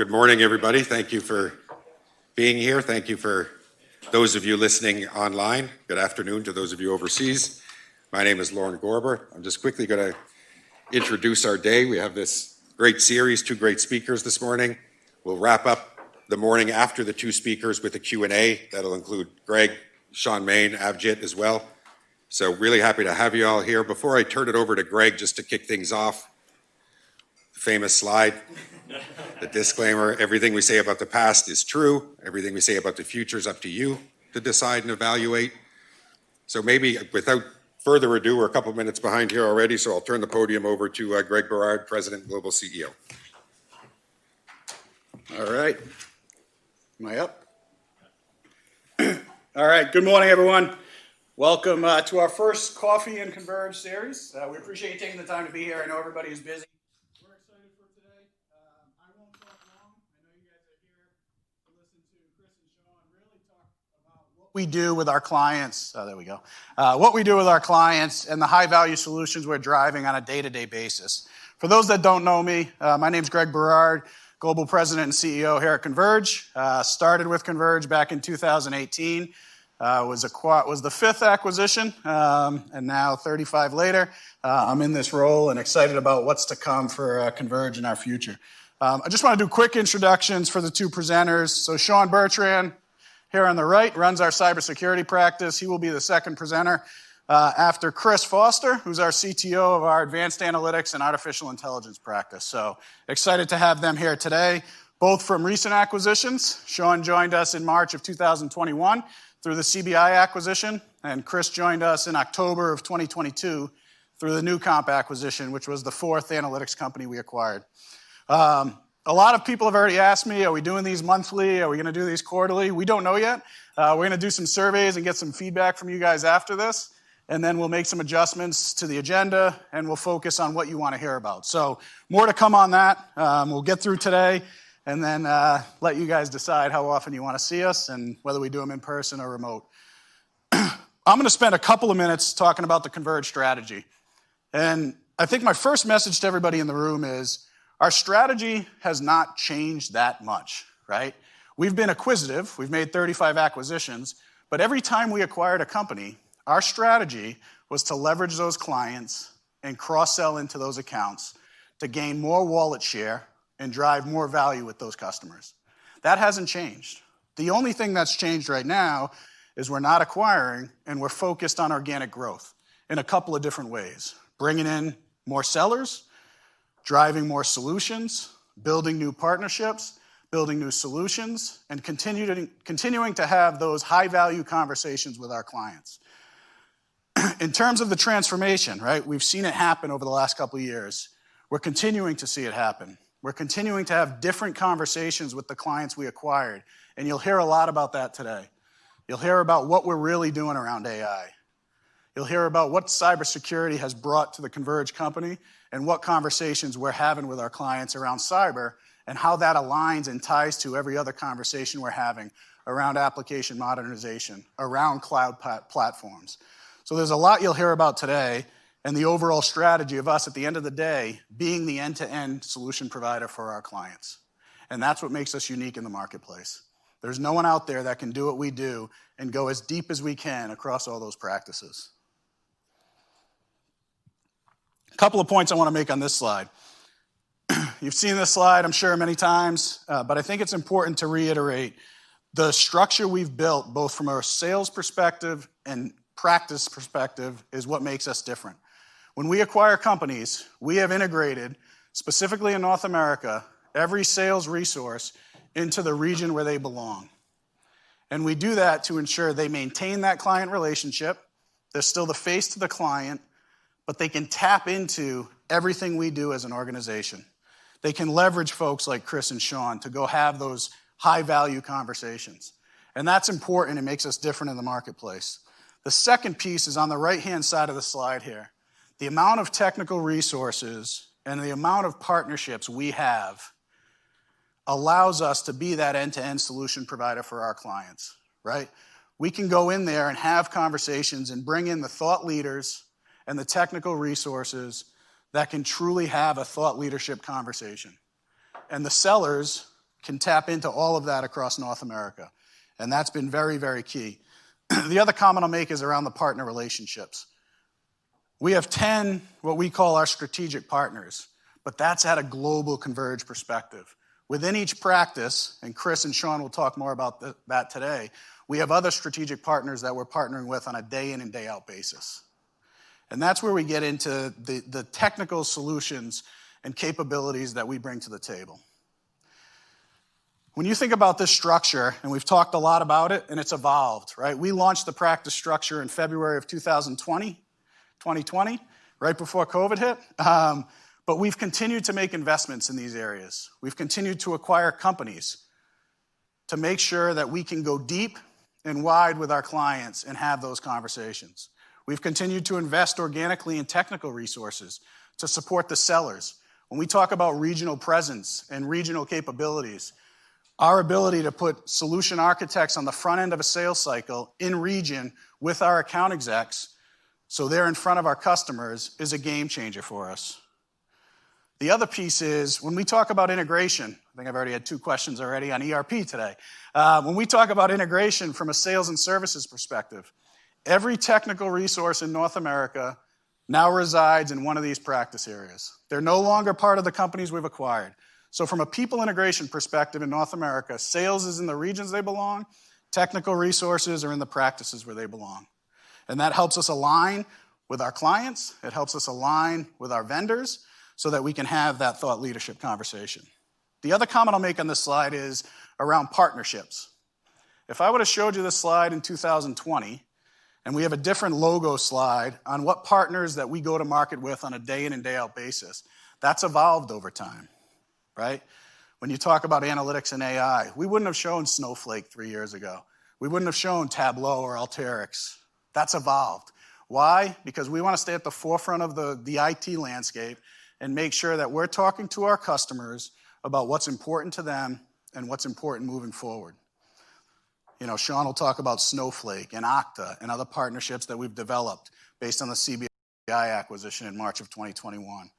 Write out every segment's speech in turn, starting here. Well, good morning, everybody. Thank you for being here. Thank you for those of you listening online. Good afternoon to those of you overseas. My name is Lorne Gorber. I'm just quickly gonna introduce our day. We have this great series, two great speakers this morning. We'll wrap up the morning after the two speakers with a Q&A. That'll include Greg, Shaun Maine, Avjit as well. So really happy to have you all here. Before I turn it over to Greg, just to kick things off, famous slide. The disclaimer, everything we say about the past is true. Everything we say about the future is up to you to decide and evaluate. So maybe without further ado, we're a couple of minutes behind here already, so I'll turn the podium over to Greg Berard, President, Global CEO. All right. Am I up? All right. Good morning, everyone. Welcome to our first Coffee and Converge series. We appreciate you taking the time to be here. I know everybody is busy. We're excited for today. I won't talk long. I know you guys are here to listen to Chris and Shaun really talk about what we do with our clients. There we go. What we do with our clients and the high-value solutions we're driving on a day-to-day basis. For those that don't know me, my name's Greg Berard, Global President and CEO here at Converge. Started with Converge back in 2018. Was the fifth acquisition, and now 35 later, I'm in this role and excited about what's to come for Converge in our future. I just wanna do quick introductions for the two presenters. So Shaun Bertrand, here on the right, runs our cybersecurity practice. He will be the second presenter, after Chris Foster, who's our CTO of our advanced analytics and artificial intelligence practice. So excited to have them here today, both from recent acquisitions. Shaun joined us in March of 2021 through the CBI acquisition, and Chris joined us in October of 2022 through the Newcomp acquisition, which was the fourth analytics company we acquired. A lot of people have already asked me, are we doing these monthly? Are we gonna do these quarterly? We don't know yet. We're gonna do some surveys and get some feedback from you guys after this, and then we'll make some adjustments to the agenda, and we'll focus on what you wanna hear about. So more to come on that. We'll get through today and then, let you guys decide how often you wanna see us and whether we do them in person or remote. I'm gonna spend a couple of minutes talking about the Converge strategy, and I think my first message to everybody in the room is our strategy has not changed that much, right? We've been acquisitive, we've made 35 acquisitions, but every time we acquired a company, our strategy was to leverage those clients and cross-sell into those accounts to gain more wallet share and drive more value with those customers. That hasn't changed. The only thing that's changed right now is we're not acquiring, and we're focused on organic growth in a couple of different ways: bringing in more sellers, driving more solutions, building new partnerships, building new solutions, and continuing to have those high-value conversations with our clients. In terms of the transformation, right, we've seen it happen over the last couple of years. We're continuing to see it happen. We're continuing to have different conversations with the clients we acquired, and you'll hear a lot about that today. You'll hear about what we're really doing around AI. You'll hear about what cybersecurity has brought to the Converge company and what conversations we're having with our clients around cyber, and how that aligns and ties to every other conversation we're having around application modernization, around cloud platforms. There's a lot you'll hear about today, and the overall strategy of us at the end of the day, being the end-to-end solution provider for our clients. That's what makes us unique in the marketplace. There's no one out there that can do what we do and go as deep as we can across all those practices. A couple of points I wanna make on this slide. You've seen this slide, I'm sure, many times, but I think it's important to reiterate the structure we've built, both from a sales perspective and practice perspective, is what makes us different. When we acquire companies, we have integrated, specifically in North America, every sales resource into the region where they belong. We do that to ensure they maintain that client relationship. They're still the face to the client, but they can tap into everything we do as an organization. They can leverage folks like Chris and Shaun to go have those high-value conversations, and that's important. It makes us different in the marketplace. The second piece is on the right-hand side of the slide here. The amount of technical resources and the amount of partnerships we have allows us to be that end-to-end solution provider for our clients, right? We can go in there and have conversations and bring in the thought leaders and the technical resources that can truly have a thought leadership conversation. The sellers can tap into all of that across North America, and that's been very, very key. The other comment I'll make is around the partner relationships. We have 10, what we call our strategic partners, but that's at a global Converge perspective. Within each practice, and Chris and Shaun will talk more about that today, we have other strategic partners that we're partnering with on a day in and day out basis. And that's where we get into the technical solutions and capabilities that we bring to the table. When you think about this structure, and we've talked a lot about it, and it's evolved, right? We launched the practice structure in February of 2020, right before COVID hit. But we've continued to make investments in these areas. We've continued to acquire companies to make sure that we can go deep and wide with our clients and have those conversations. We've continued to invest organically in technical resources to support the sellers. When we talk about regional presence and regional capabilities. Our ability to put solution architects on the front end of a sales cycle in region with our account execs, so they're in front of our customers, is a game changer for us. The other piece is, when we talk about integration, I think I've already had two questions already on ERP today. When we talk about integration from a sales and services perspective, every technical resource in North America now resides in one of these practice areas. They're no longer part of the companies we've acquired. So from a people integration perspective in North America, sales is in the regions they belong, technical resources are in the practices where they belong, and that helps us align with our clients, it helps us align with our vendors so that we can have that thought leadership conversation. The other comment I'll make on this slide is around partnerships. If I would've showed you this slide in 2020, and we have a different logo slide on what partners that we go to market with on a day in and day out basis, that's evolved over time, right? When you talk about analytics and AI, we wouldn't have shown Snowflake three years ago. We wouldn't have shown Tableau or Alteryx. That's evolved. Why? Because we wanna stay at the forefront of the, the IT landscape and make sure that we're talking to our customers about what's important to them and what's important moving forward. You know, Shaun will talk about Snowflake and Okta and other partnerships that we've developed based on the CBI acquisition in March of 2021.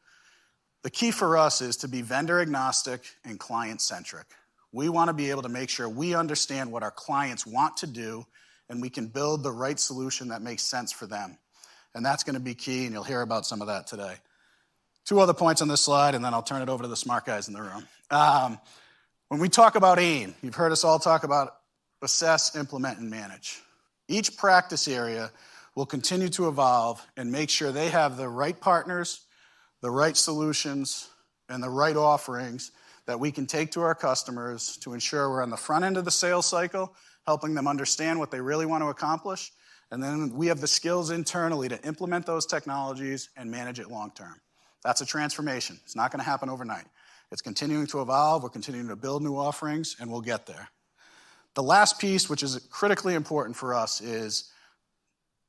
The key for us is to be vendor agnostic and client-centric. We wanna be able to make sure we understand what our clients want to do, and we can build the right solution that makes sense for them, and that's gonna be key, and you'll hear about some of that today. Two other points on this slide, and then I'll turn it over to the smart guys in the room. When we talk about AIM, you've heard us all talk about assess, implement, and manage. Each practice area will continue to evolve and make sure they have the right partners, the right solutions, and the right offerings that we can take to our customers to ensure we're on the front end of the sales cycle, helping them understand what they really want to accomplish, and then we have the skills internally to implement those technologies and manage it long term. That's a transformation. It's not gonna happen overnight. It's continuing to evolve, we're continuing to build new offerings, and we'll get there. The last piece, which is critically important for us, is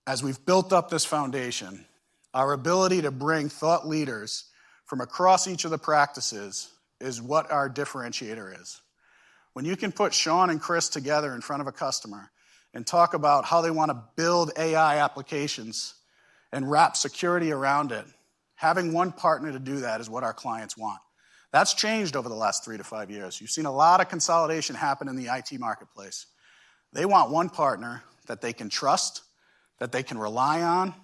as we've built up this foundation, our ability to bring thought leaders from across each of the practices is what our differentiator is. When you can put Shaun and Chris together in front of a customer and talk about how they wanna build AI applications and wrap security around it, having one partner to do that is what our clients want. That's changed over the last three-five years. You've seen a lot of consolidation happen in the IT marketplace. They want one partner that they can trust, that they can rely on,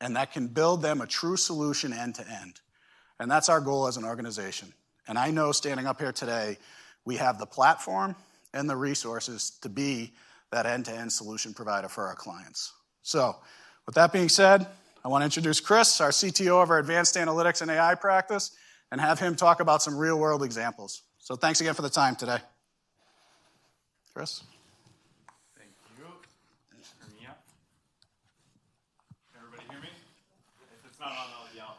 and that can build them a true solution end to end, and that's our goal as an organization. I know standing up here today, we have the platform and the resources to be that end-to-end solution provider for our clients. With that being said, I wanna introduce Chris, our CTO of our advanced analytics and AI practice, and have him talk about some real-world examples. Thanks again for the time today. Chris? Thank you. Thanks for having me up. Can everybody hear me? If it's not on, I'll yell.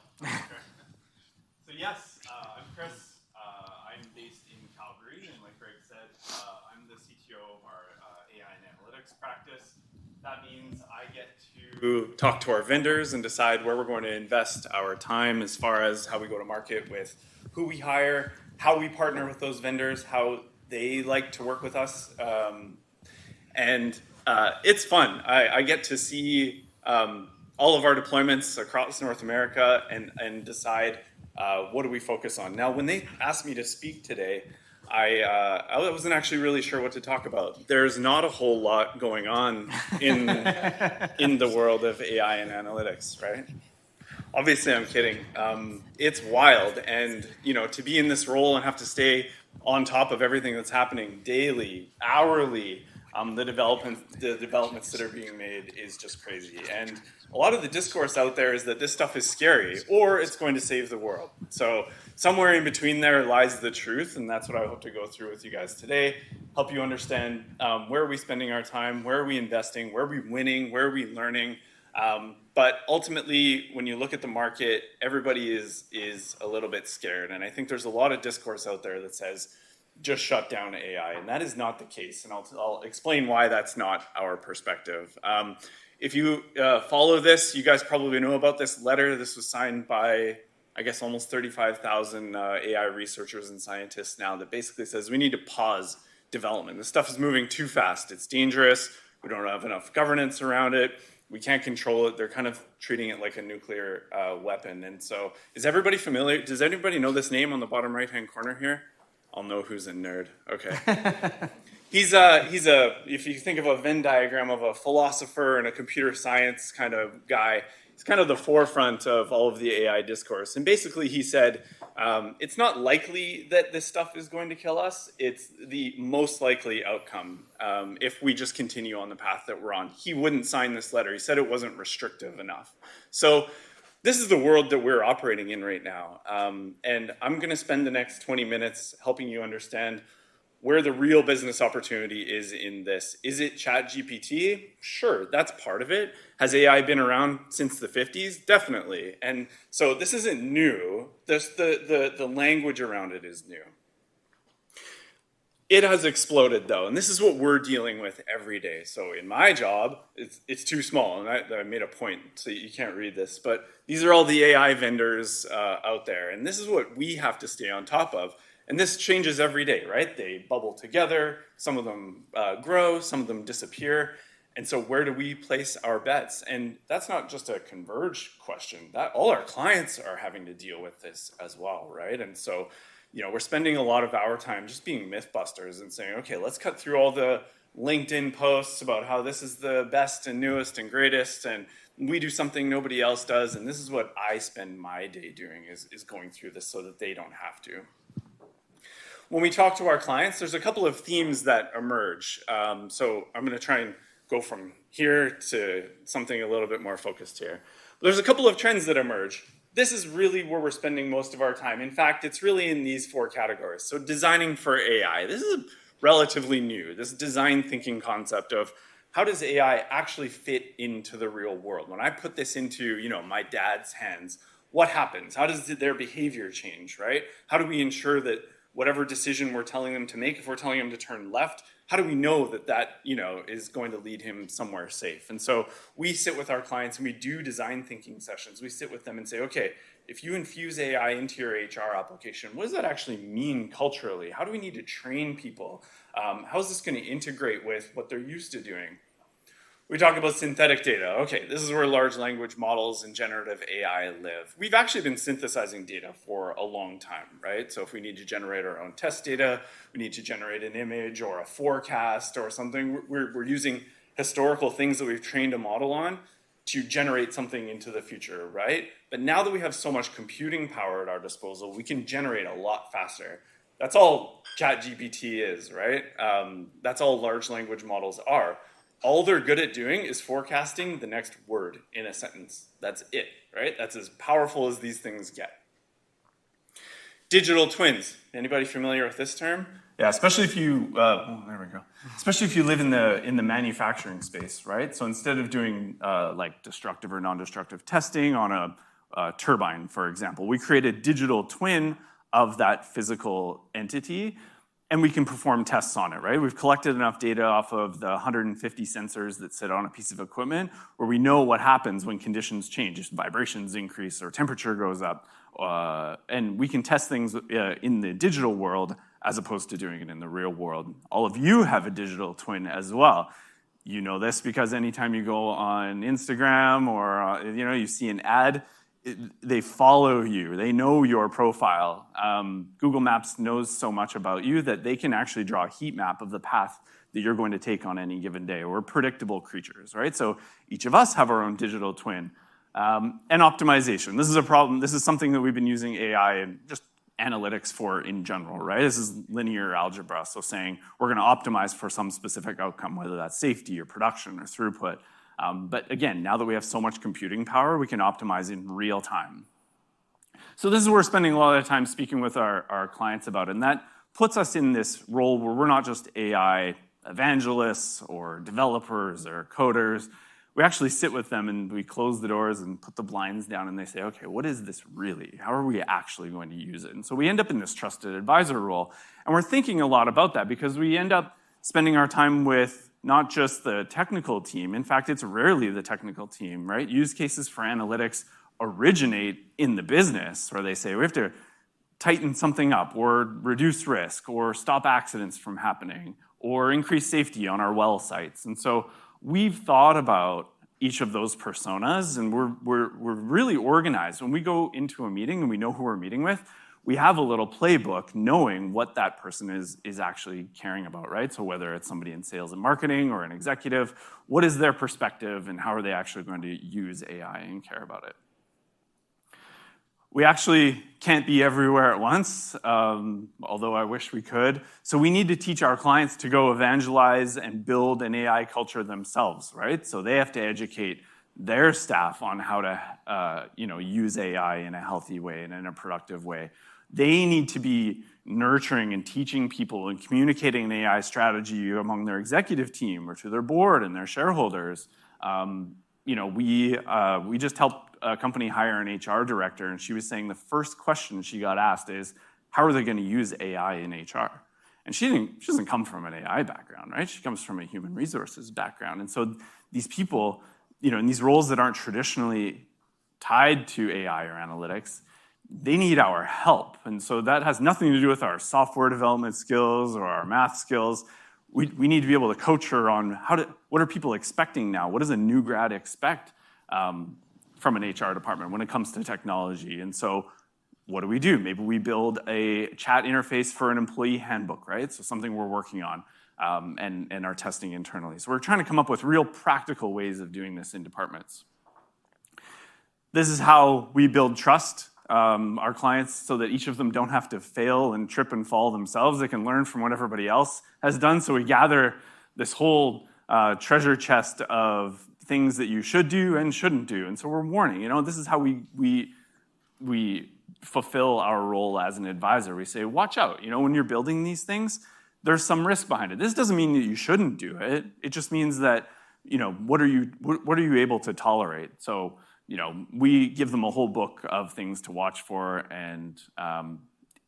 So, yes, I'm Chris. I'm based in Calgary, and like Greg said, I'm the CTO of our AI and analytics practice. That means I get to talk to our vendors and decide where we're going to invest our time as far as how we go to market with who we hire, how we partner with those vendors, how they like to work with us. And, it's fun. I get to see all of our deployments across North America and decide what do we focus on. Now, when they asked me to speak today, I wasn't actually really sure what to talk about. There's not a whole lot going on in the world of AI and analytics, right? Obviously, I'm kidding. It's wild, and, you know, to be in this role and have to stay on top of everything that's happening daily, hourly, the developments that are being made is just crazy. A lot of the discourse out there is that this stuff is scary or it's going to save the world. So somewhere in between there lies the truth, and that's what I hope to go through with you guys today, help you understand, where are we spending our time, where are we investing, where are we winning, where are we learning? But ultimately, when you look at the market, everybody is a little bit scared, and I think there's a lot of discourse out there that says, "Just shut down AI," and that is not the case, and I'll explain why that's not our perspective. If you follow this, you guys probably know about this letter. This was signed by, I guess, almost 35,000 AI researchers and scientists now, that basically says, "We need to pause development. This stuff is moving too fast. It's dangerous. We don't have enough governance around it. We can't control it." They're kind of treating it like a nuclear weapon. And so, is everybody familiar? Does anybody know this name on the bottom right-hand corner here? I'll know who's a nerd. Okay. If you think of a Venn diagram of a philosopher and a computer science kind of guy, he's kind of the forefront of all of the AI discourse. Basically, he said, "It's not likely that this stuff is going to kill us. It's the most likely outcome if we just continue on the path that we're on." He wouldn't sign this letter. He said it wasn't restrictive enough. So this is the world that we're operating in right now, and I'm gonna spend the next 20 minutes helping you understand where the real business opportunity is in this. Is it ChatGPT? Sure, that's part of it. Has AI been around since the 1950s? Definitely. And so this isn't new. Just the language around it is new, it has exploded, though, and this is what we're dealing with every day. So in my job, it's too small, and I made a point, so you can't read this. But these are all the AI vendors out there, and this is what we have to stay on top of, and this changes every day, right? They bubble together, some of them grow, some of them disappear. And so where do we place our bets? And that's not just a Converge question. That all our clients are having to deal with this as well, right? And so, you know, we're spending a lot of our time just being myth busters and saying, "Okay, let's cut through all the LinkedIn posts about how this is the best and newest and greatest, and we do something nobody else does." And this is what I spend my day doing, is, is going through this so that they don't have to. When we talk to our clients, there's a couple of themes that emerge. I'm gonna try and go from here to something a little bit more focused here. There's a couple of trends that emerge. This is really where we're spending most of our time. In fact, it's really in these four categories. So designing for AI, this is relatively new. This design thinking concept of how does AI actually fit into the real world? When I put this into, you know, my dad's hands, what happens? How does their behavior change, right? How do we ensure that whatever decision we're telling him to make, if we're telling him to turn left, how do we know that that, you know, is going to lead him somewhere safe? And so we sit with our clients, and we do design thinking sessions. We sit with them and say, "Okay, if you infuse AI into your HR application, what does that actually mean culturally? How do we need to train people? How is this gonna integrate with what they're used to doing?" We talk about synthetic data. Okay, this is where large language models and generative AI live. We've actually been synthesizing data for a long time, right? So if we need to generate our own test data, we need to generate an image or a forecast or something, we're using historical things that we've trained a model on to generate something into the future, right? But now that we have so much computing power at our disposal, we can generate a lot faster. That's all ChatGPT is, right? That's all large language models are. All they're good at doing is forecasting the next word in a sentence. That's it, right? That's as powerful as these things get. Digital twins. Anybody familiar with this term? Yeah, especially if you. Oh, there we go. Especially if you live in the manufacturing space, right? So instead of doing, like, destructive or non-destructive testing on a turbine, for example, we create a digital twin of that physical entity, and we can perform tests on it, right? We've collected enough data off of the 150 sensors that sit on a piece of equipment, where we know what happens when conditions change, if vibrations increase or temperature goes up, and we can test things in the digital world, as opposed to doing it in the real world. All of you have a digital twin as well. You know this because anytime you go on Instagram or, you know, you see an ad, they follow you. They know your profile. Google Maps knows so much about you that they can actually draw a heat map of the path that you're going to take on any given day. We're predictable creatures, right? So each of us have our own digital twin. And optimization, this is something that we've been using AI and just analytics for in general, right? This is linear algebra, so saying we're gonna optimize for some specific outcome, whether that's safety or production or throughput. But again, now that we have so much computing power, we can optimize in real time. So this is where we're spending a lot of time speaking with our, our clients about, and that puts us in this role where we're not just AI evangelists or developers or coders. We actually sit with them, and we close the doors and put the blinds down, and they say, "Okay, what is this really? How are we actually going to use it?" And so we end up in this trusted advisor role, and we're thinking a lot about that because we end up spending our time with not just the technical team, in fact, it's rarely the technical team, right? Use cases for analytics originate in the business, where they say, "We have to tighten something up or reduce risk or stop accidents from happening or increase safety on our well sites." And so we've thought about each of those personas, and we're, we're, we're really organized. When we go into a meeting and we know who we're meeting with, we have a little playbook knowing what that person is, is actually caring about, right? So whether it's somebody in sales and marketing or an executive, what is their perspective, and how are they actually going to use AI and care about it? We actually can't be everywhere at once, although I wish we could. So we need to teach our clients to go evangelize and build an AI culture themselves, right? So they have to educate their staff on how to, you know, use AI in a healthy way and in a productive way. They need to be nurturing and teaching people and communicating the AI strategy among their executive team or to their board and their shareholders. You know, we just helped a company hire an HR director, and she was saying the first question she got asked is: How are they gonna use AI in HR? And she didn't- she doesn't come from an AI background, right? She comes from a human resources background. And so these people, you know, in these roles that aren't traditionally tied to AI or analytics, they need our help. And so that has nothing to do with our software development skills or our math skills. We, we need to be able to coach her on how to- what are people expecting now? What does a new grad expect from an HR department when it comes to technology? And so what do we do? Maybe we build a chat interface for an employee handbook, right? So something we're working on and are testing internally. So we're trying to come up with real practical ways of doing this in departments. This is how we build trust our clients, so that each of them don't have to fail and trip and fall themselves. They can learn from what everybody else has done. So we gather this whole treasure chest of things that you should do and shouldn't do, and so we're warning. You know, this is how we fulfill our role as an advisor. We say, "Watch out! You know, when you're building these things, there's some risk behind it." This doesn't mean that you shouldn't do it. It just means that, you know, what are you, what are you able to tolerate? So, you know, we give them a whole book of things to watch for, and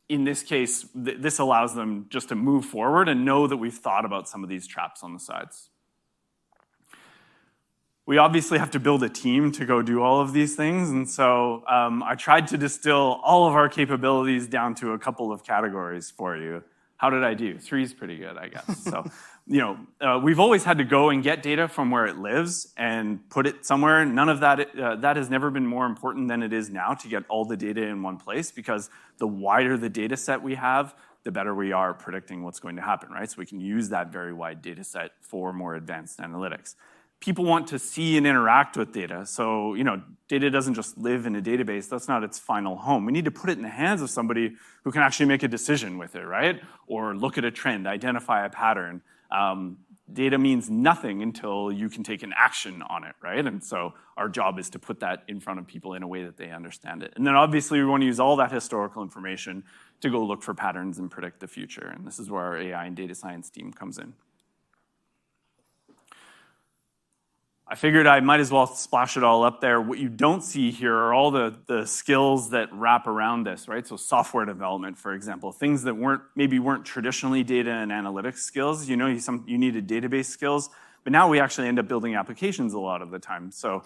in this case, this allows them just to move forward and know that we've thought about some of these traps on the sides. We obviously have to build a team to go do all of these things, and so, I tried to distill all of our capabilities down to a couple of categories for you. How did I do? Three is pretty good, I guess. So, you know, we've always had to go and get data from where it lives and put it somewhere. None of that, that has never been more important than it is now to get all the data in one place, because the wider the data set we have, the better we are at predicting what's going to happen, right? So we can use that very wide data set for more advanced analytics. People want to see and interact with data. So, you know, data doesn't just live in a database. That's not its final home. We need to put it in the hands of somebody who can actually make a decision with it, right? Or look at a trend, identify a pattern. Data means nothing until you can take an action on it, right? And so our job is to put that in front of people in a way that they understand it. And then, obviously, we want to use all that historical information to go look for patterns and predict the future, and this is where our AI and data science team comes in. I figured I might as well splash it all up there. What you don't see here are all the skills that wrap around this, right? So software development, for example, things that maybe weren't traditionally data and analytics skills. You needed database skills, but now we actually end up building applications a lot of the time. So,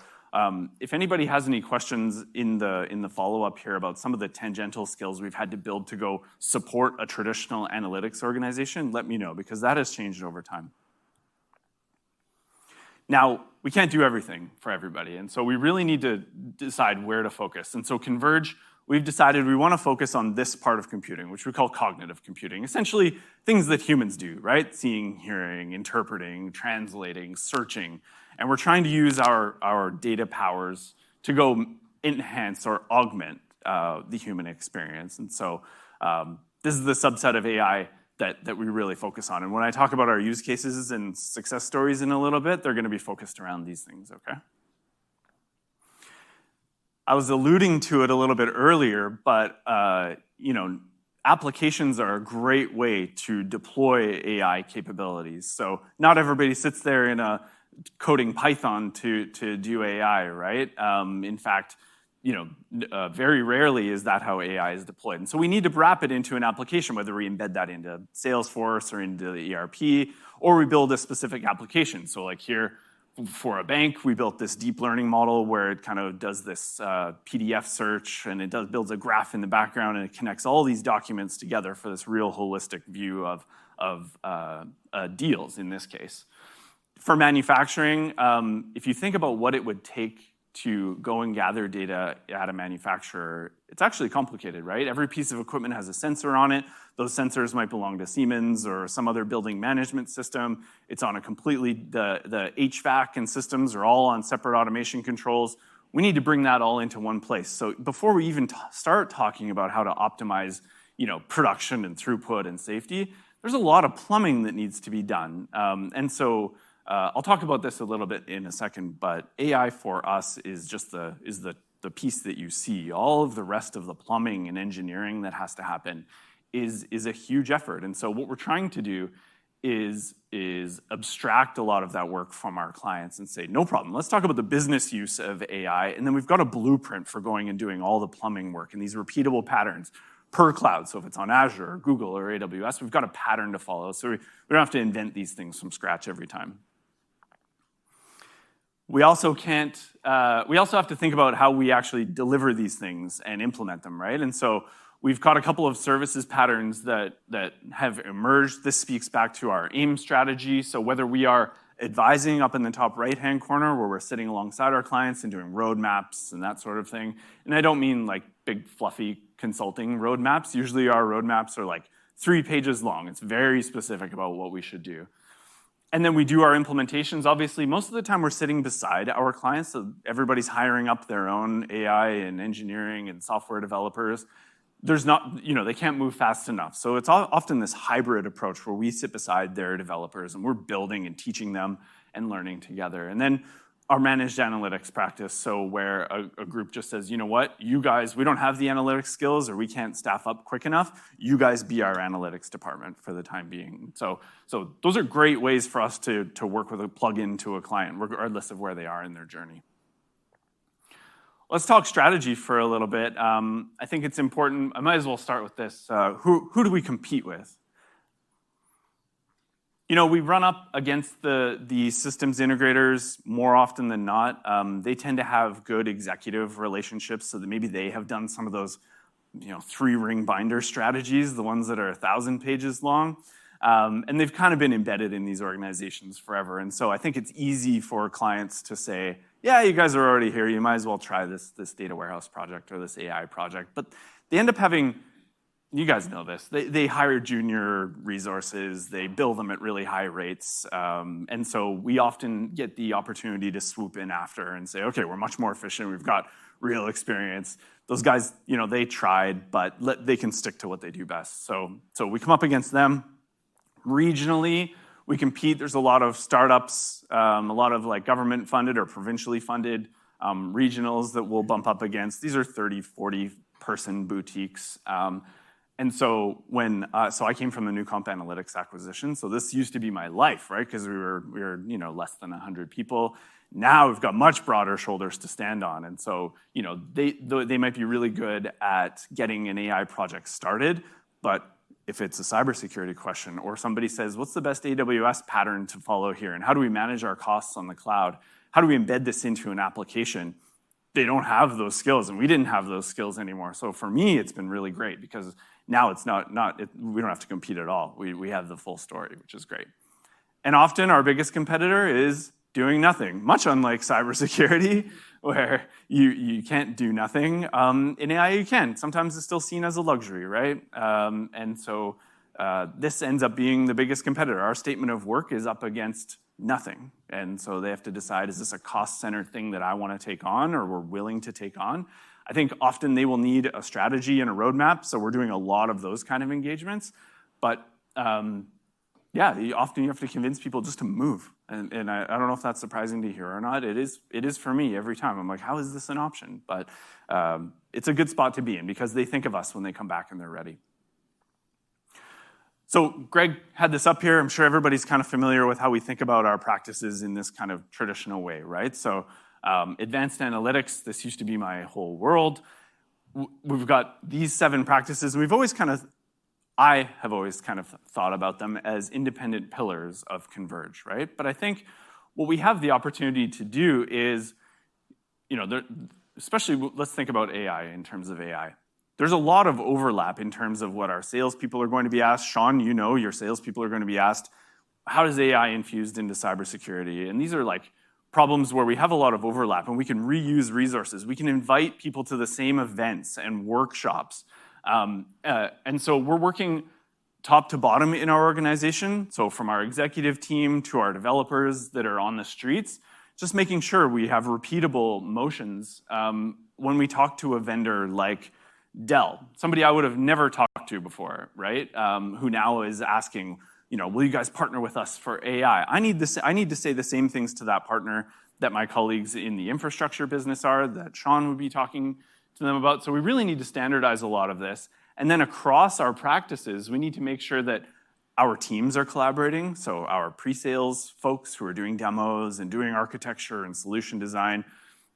if anybody has any questions in the follow-up here about some of the tangential skills we've had to build to go support a traditional analytics organization, let me know, because that has changed over time. Now, we can't do everything for everybody, and so we really need to decide where to focus. And so Converge, we've decided we wanna focus on this part of computing, which we call cognitive computing. Essentially, things that humans do, right? Seeing, hearing, interpreting, translating, searching. And we're trying to use our data powers to go enhance or augment the human experience. And so, this is the subset of AI that we really focus on. And when I talk about our use cases and success stories in a little bit, they're gonna be focused around these things, okay? I was alluding to it a little bit earlier, but you know, applications are a great way to deploy AI capabilities. So not everybody sits there in a coding Python to do AI, right? In fact, you know, very rarely is that how AI is deployed. And so we need to wrap it into an application, whether we embed that into Salesforce or into the ERP, or we build a specific application. So like here, for a bank, we built this deep learning model where it kind of does this PDF search, and it builds a graph in the background, and it connects all these documents together for this real holistic view of deals, in this case. For manufacturing, if you think about what it would take to go and gather data at a manufacturer, it's actually complicated, right? Every piece of equipment has a sensor on it. Those sensors might belong to Siemens or some other building management system. It's on a completely different system. The HVAC and systems are all on separate automation controls. We need to bring that all into one place. So before we even start talking about how to optimize, you know, production and throughput and safety, there's a lot of plumbing that needs to be done. And so, I'll talk about this a little bit in a second, but AI, for us, is just the piece that you see. All of the rest of the plumbing and engineering that has to happen is a huge effort. And so what we're trying to do is abstract a lot of that work from our clients and say, "No problem. Let's talk about the business use of AI." And then we've got a blueprint for going and doing all the plumbing work and these repeatable patterns per cloud. So if it's on Azure or Google or AWS, we've got a pattern to follow, so we don't have to invent these things from scratch every time. We also have to think about how we actually deliver these things and implement them, right? And so we've got a couple of services patterns that have emerged. This speaks back to our AIM strategy. So whether we are advising up in the top right-hand corner, where we're sitting alongside our clients and doing roadmaps and that sort of thing. I don't mean like big, fluffy consulting roadmaps. Usually, our roadmaps are like three pages long. It's very specific about what we should do. Then we do our implementations. Obviously, most of the time, we're sitting beside our clients, so everybody's hiring up their own AI and engineering and software developers. There's not. You know, they can't move fast enough. So it's often this hybrid approach, where we sit beside their developers, and we're building and teaching them and learning together. Then our managed analytics practice, so where a group just says, "You know what? You guys, we don't have the analytics skills, or we can't staff up quick enough. You guys be our analytics department for the time being." So those are great ways for us to work with a plug-in to a client, regardless of where they are in their journey. Let's talk strategy for a little bit. I think it's important, I might as well start with this. Who do we compete with? You know, we run up against the systems integrators more often than not. They tend to have good executive relationships, so then maybe they have done some of those, you know, three-ring binder strategies, the ones that are 1,000 pages long. And they've kind of been embedded in these organizations forever, and so I think it's easy for clients to say, "Yeah, you guys are already here. You might as well try this, this data warehouse project or this AI project." But they end up having you guys know this. They hire junior resources, they bill them at really high rates, and so we often get the opportunity to swoop in after and say, "Okay, we're much more efficient. We've got real experience. Those guys, you know, they tried, but they can stick to what they do best." So we come up against them. Regionally, we compete. There's a lot of startups, a lot of, like, government-funded or provincially-funded regionals that we'll bump up against. These are 30-, 40-person boutiques. So I came from the Newcomp Analytics acquisition, so this used to be my life, right? 'Cause we were, you know, less than 100 people. Now, we've got much broader shoulders to stand on, and so, you know, they might be really good at getting an AI project started, but. If it's a cybersecurity question, or somebody says, "What's the best AWS pattern to follow here, and how do we manage our costs on the cloud? How do we embed this into an application?" They don't have those skills, and we didn't have those skills anymore. So for me, it's been really great because now it's not – we don't have to compete at all. We have the full story, which is great. And often our biggest competitor is doing nothing, much unlike cybersecurity, where you can't do nothing. In AI, you can. Sometimes it's still seen as a luxury, right? And so this ends up being the biggest competitor. Our statement of work is up against nothing, and so they have to decide: Is this a cost-centered thing that I wanna take on or we're willing to take on? I think often they will need a strategy and a roadmap, so we're doing a lot of those kind of engagements. But, yeah, you often, you have to convince people just to move. And, I don't know if that's surprising to hear or not. It is for me every time. I'm like: How is this an option? But, it's a good spot to be in because they think of us when they come back, and they're ready. So Greg had this up here. I'm sure everybody's kind of familiar with how we think about our practices in this kind of traditional way, right? So, advanced analytics, this used to be my whole world. We've got these seven practices, and we've always kind of, I have always kind of thought about them as independent pillars of Converge, right? But I think what we have the opportunity to do is, you know, especially let's think about AI, in terms of AI. There's a lot of overlap in terms of what our salespeople are going to be asked. Shaun, you know, your salespeople are gonna be asked: How is AI infused into cybersecurity? And these are, like, problems where we have a lot of overlap, and we can reuse resources. We can invite people to the same events and workshops. And so we're working top to bottom in our organization, so from our executive team to our developers that are on the streets, just making sure we have repeatable motions. When we talk to a vendor like Dell, somebody I would have never talked to before, right, who now is asking, you know: Will you guys partner with us for AI? I need to say the same things to that partner that my colleagues in the infrastructure business are, that Shaun would be talking to them about. So we really need to standardize a lot of this, and then across our practices, we need to make sure that our teams are collaborating, so our pre-sales folks who are doing demos and doing architecture and solution design,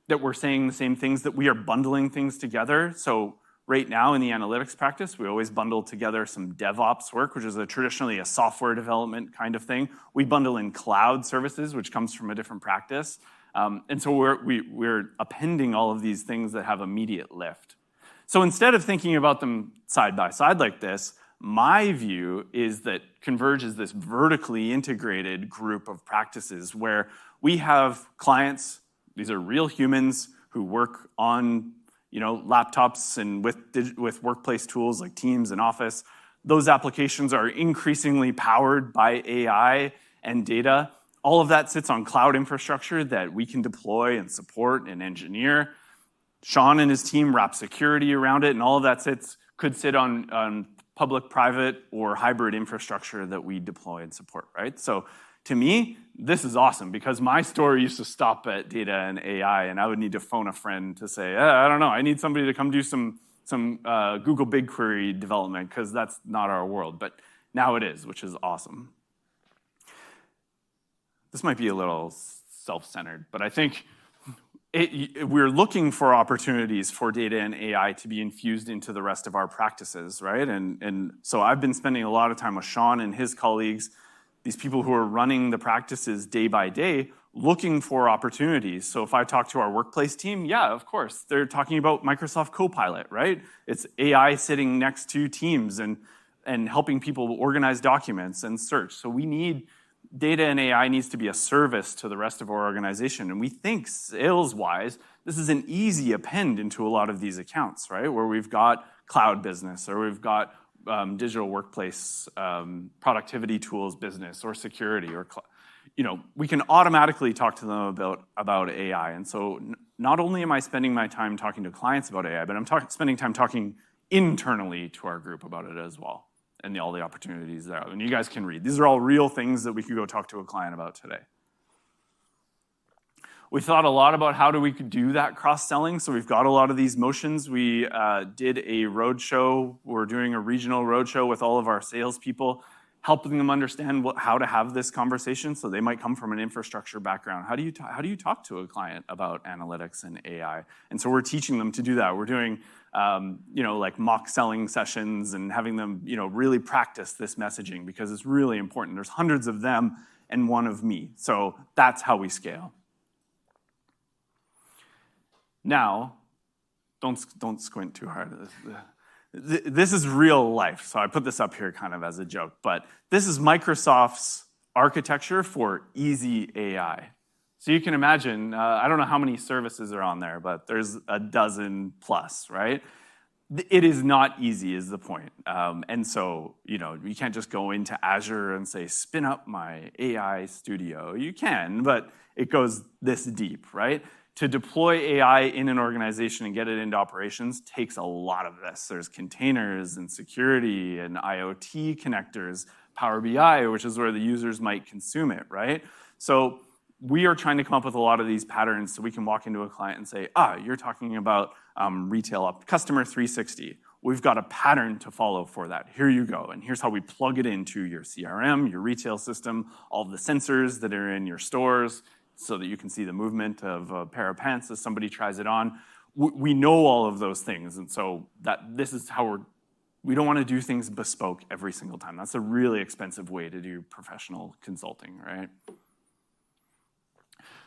that we're saying the same things, that we are bundling things together. So right now, in the analytics practice, we always bundle together some DevOps work, which is traditionally a software development kind of thing. We bundle in cloud services, which comes from a different practice. And so we're appending all of these things that have immediate lift. So instead of thinking about them side by side like this, my view is that Converge is this vertically integrated group of practices where we have clients, these are real humans who work on, you know, laptops and with workplace tools like Teams and Office. Those applications are increasingly powered by AI and data. All of that sits on cloud infrastructure that we can deploy and support and engineer. Shaun and his team wrap security around it, and all of that could sit on public, private, or hybrid infrastructure that we deploy and support, right? So to me, this is awesome because my story used to stop at data and AI, and I would need to phone a friend to say, "I don't know. I need somebody to come do some Google BigQuery development," 'cause that's not our world. But now it is, which is awesome. This might be a little self-centered, but I think it, we're looking for opportunities for data and AI to be infused into the rest of our practices, right? And so I've been spending a lot of time with Shaun and his colleagues, these people who are running the practices day by day, looking for opportunities. So if I talk to our workplace team, yeah, of course, they're talking about Microsoft Copilot, right? It's AI sitting next to Teams and helping people organize documents and search. So we need data and AI needs to be a service to the rest of our organization, and we think sales-wise, this is an easy append into a lot of these accounts, right? Where we've got cloud business, or we've got digital workplace, productivity tools business or security. You know, we can automatically talk to them about AI, and so not only am I spending my time talking to clients about AI, but I'm spending time talking internally to our group about it as well, and all the opportunities there. And you guys can read. These are all real things that we can go talk to a client about today. We thought a lot about how do we do that cross-selling, so we've got a lot of these motions. We did a roadshow. We're doing a regional roadshow with all of our salespeople, helping them understand what how to have this conversation, so they might come from an infrastructure background. How do you talk to a client about analytics and AI? And so we're teaching them to do that. We're doing, you know, like, mock selling sessions and having them, you know, really practice this messaging because it's really important. There's hundreds of them and one of me, so that's how we scale. Now, don't squint too hard. This is real life, so I put this up here kind of as a joke, but this is Microsoft's architecture for easy AI. So you can imagine, I don't know how many services are on there, but there's a dozen plus, right? It is not easy, is the point. And so, you know, you can't just go into Azure and say, "Spin up my AI studio." You can, but it goes this deep, right? To deploy AI in an organization and get it into operations takes a lot of this. There's containers and security and IoT connectors, Power BI, which is where the users might consume it, right? So we are trying to come up with a lot of these patterns, so we can walk into a client and say, "Ah, you're talking about retail up customer 360. We've got a pattern to follow for that. Here you go, and here's how we plug it into your CRM, your retail system, all the sensors that are in your stores so that you can see the movement of a pair of pants as somebody tries it on." We know all of those things, and so that-- this is how we don't wanna do things bespoke every single time. That's a really expensive way to do professional consulting, right?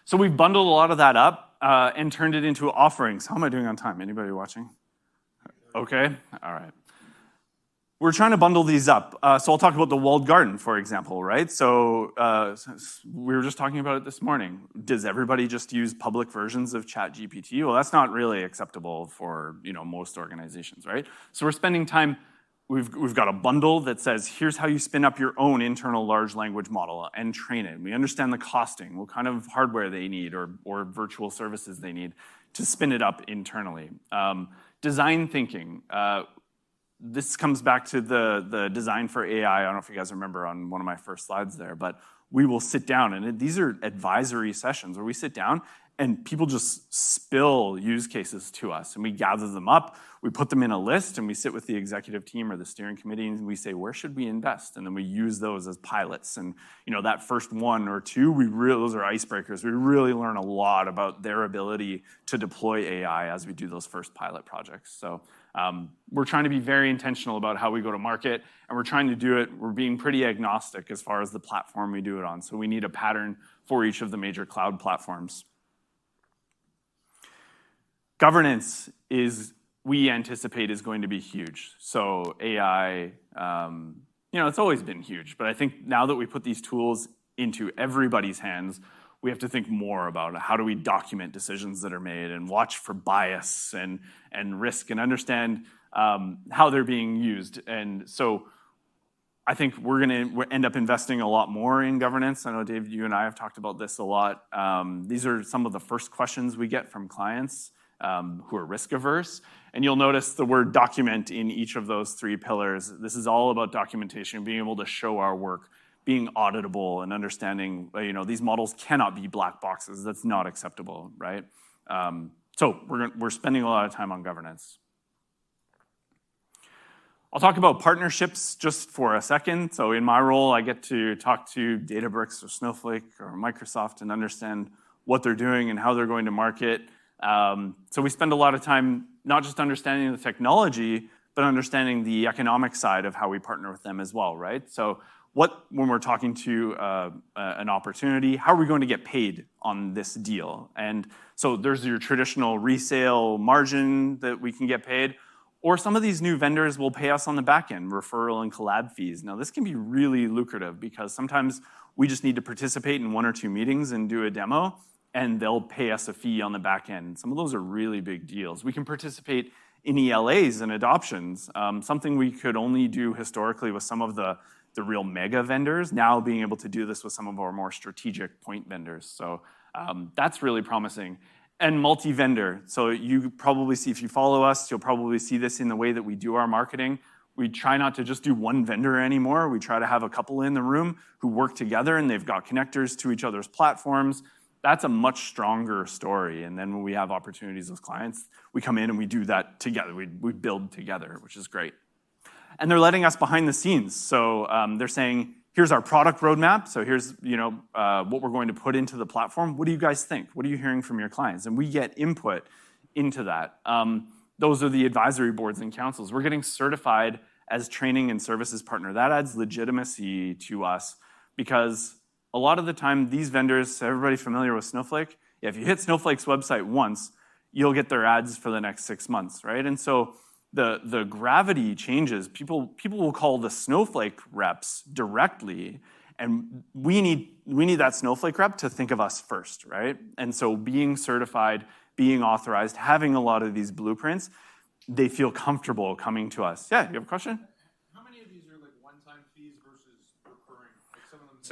So we've bundled a lot of that up, and turned it into offerings. How am I doing on time? Anybody watching? Okay. All right. We're trying to bundle these up. So I'll talk about the Walled Garden, for example, right? So, we were just talking about it this morning. Does everybody just use public versions of ChatGPT? Well, that's not really acceptable for, you know, most organizations, right? So we're spending time, we've, we've got a bundle that says, "Here's how you spin up your own internal large language model and train it." We understand the costing, what kind of hardware they need or, or virtual services they need to spin it up internally. Design thinking, this comes back to the, the design for AI. I don't know if you guys remember on one of my first slides there, but we will sit down, and these are advisory sessions, where we sit down and people just spill use cases to us, and we gather them up, we put them in a list, and we sit with the executive team or the steering committee, and we say, "Where should we invest?" And then we use those as pilots. And, you know, that first one or two, we really, those are icebreakers, we really learn a lot about their ability to deploy AI as we do those first pilot projects. So, we're trying to be very intentional about how we go to market, and we're trying to do it, we're being pretty agnostic as far as the platform we do it on. So we need a pattern for each of the major cloud platforms. Governance is. We anticipate is going to be huge. So AI, you know, it's always been huge, but I think now that we put these tools into everybody's hands, we have to think more about how do we document decisions that are made and watch for bias and risk, and understand how they're being used. And so I think we're gonna end up investing a lot more in governance. I know, Dave, you and I have talked about this a lot. These are some of the first questions we get from clients who are risk-averse. And you'll notice the word "document" in each of those three pillars. This is all about documentation, being able to show our work, being auditable, and understanding, you know, these models cannot be black boxes. That's not acceptable, right? So we're spending a lot of time on governance. I'll talk about partnerships just for a second. So in my role, I get to talk to Databricks or Snowflake or Microsoft and understand what they're doing and how they're going to market. So we spend a lot of time not just understanding the technology, but understanding the economic side of how we partner with them as well, right? So when we're talking to an opportunity, how are we going to get paid on this deal? And so there's your traditional resale margin that we can get paid, or some of these new vendors will pay us on the back end, referral and collab fees. Now, this can be really lucrative because sometimes we just need to participate in one or two meetings and do a demo, and they'll pay us a fee on the back end. Some of those are really big deals. We can participate in ELAs and adoptions, something we could only do historically with some of the real mega vendors. Now, being able to do this with some of our more strategic point vendors, so, that's really promising. And multi-vendor, so you probably see if you follow us, you'll probably see this in the way that we do our marketing. We try not to just do one vendor anymore. We try to have a couple in the room who work together, and they've got connectors to each other's platforms. That's a much stronger story. Then when we have opportunities with clients, we come in and we do that together. We build together, which is great. They're letting us behind the scenes. So, they're saying, "Here's our product roadmap. So here's, you know, what we're going to put into the platform. What do you guys think? What are you hearing from your clients?" We get input into that. Those are the advisory boards and councils. We're getting certified as training and services partner. That adds legitimacy to us because a lot of the time, these vendors is everybody familiar with Snowflake? If you hit Snowflake's website once, you'll get their ads for the next six months, right? So the gravity changes. People will call the Snowflake reps directly, and we need that Snowflake rep to think of us first, right? And so being certified, being authorized, having a lot of these blueprints, they feel comfortable coming to us. Yeah, you have a question?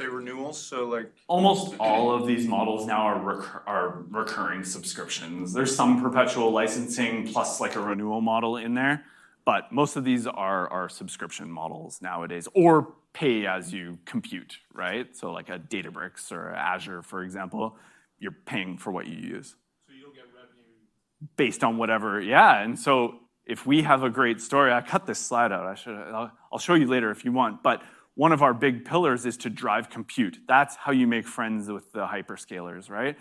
How many of these are, like, one-time fees versus recurring? Like, some of them say renewals, so, like- Almost all of these models now are recurring subscriptions. There's some perpetual licensing plus, like, a renewal model in there, but most of these are subscription models nowadays or pay as you compute, right? So like a Databricks or Azure, for example, you're paying for what you use. You'll get revenue- Based on whatever. Yeah, and so if we have a great story. I cut this slide out. I should. I'll show you later if you want, but one of our big pillars is to drive compute. That's how you make friends with the hyperscalers, right?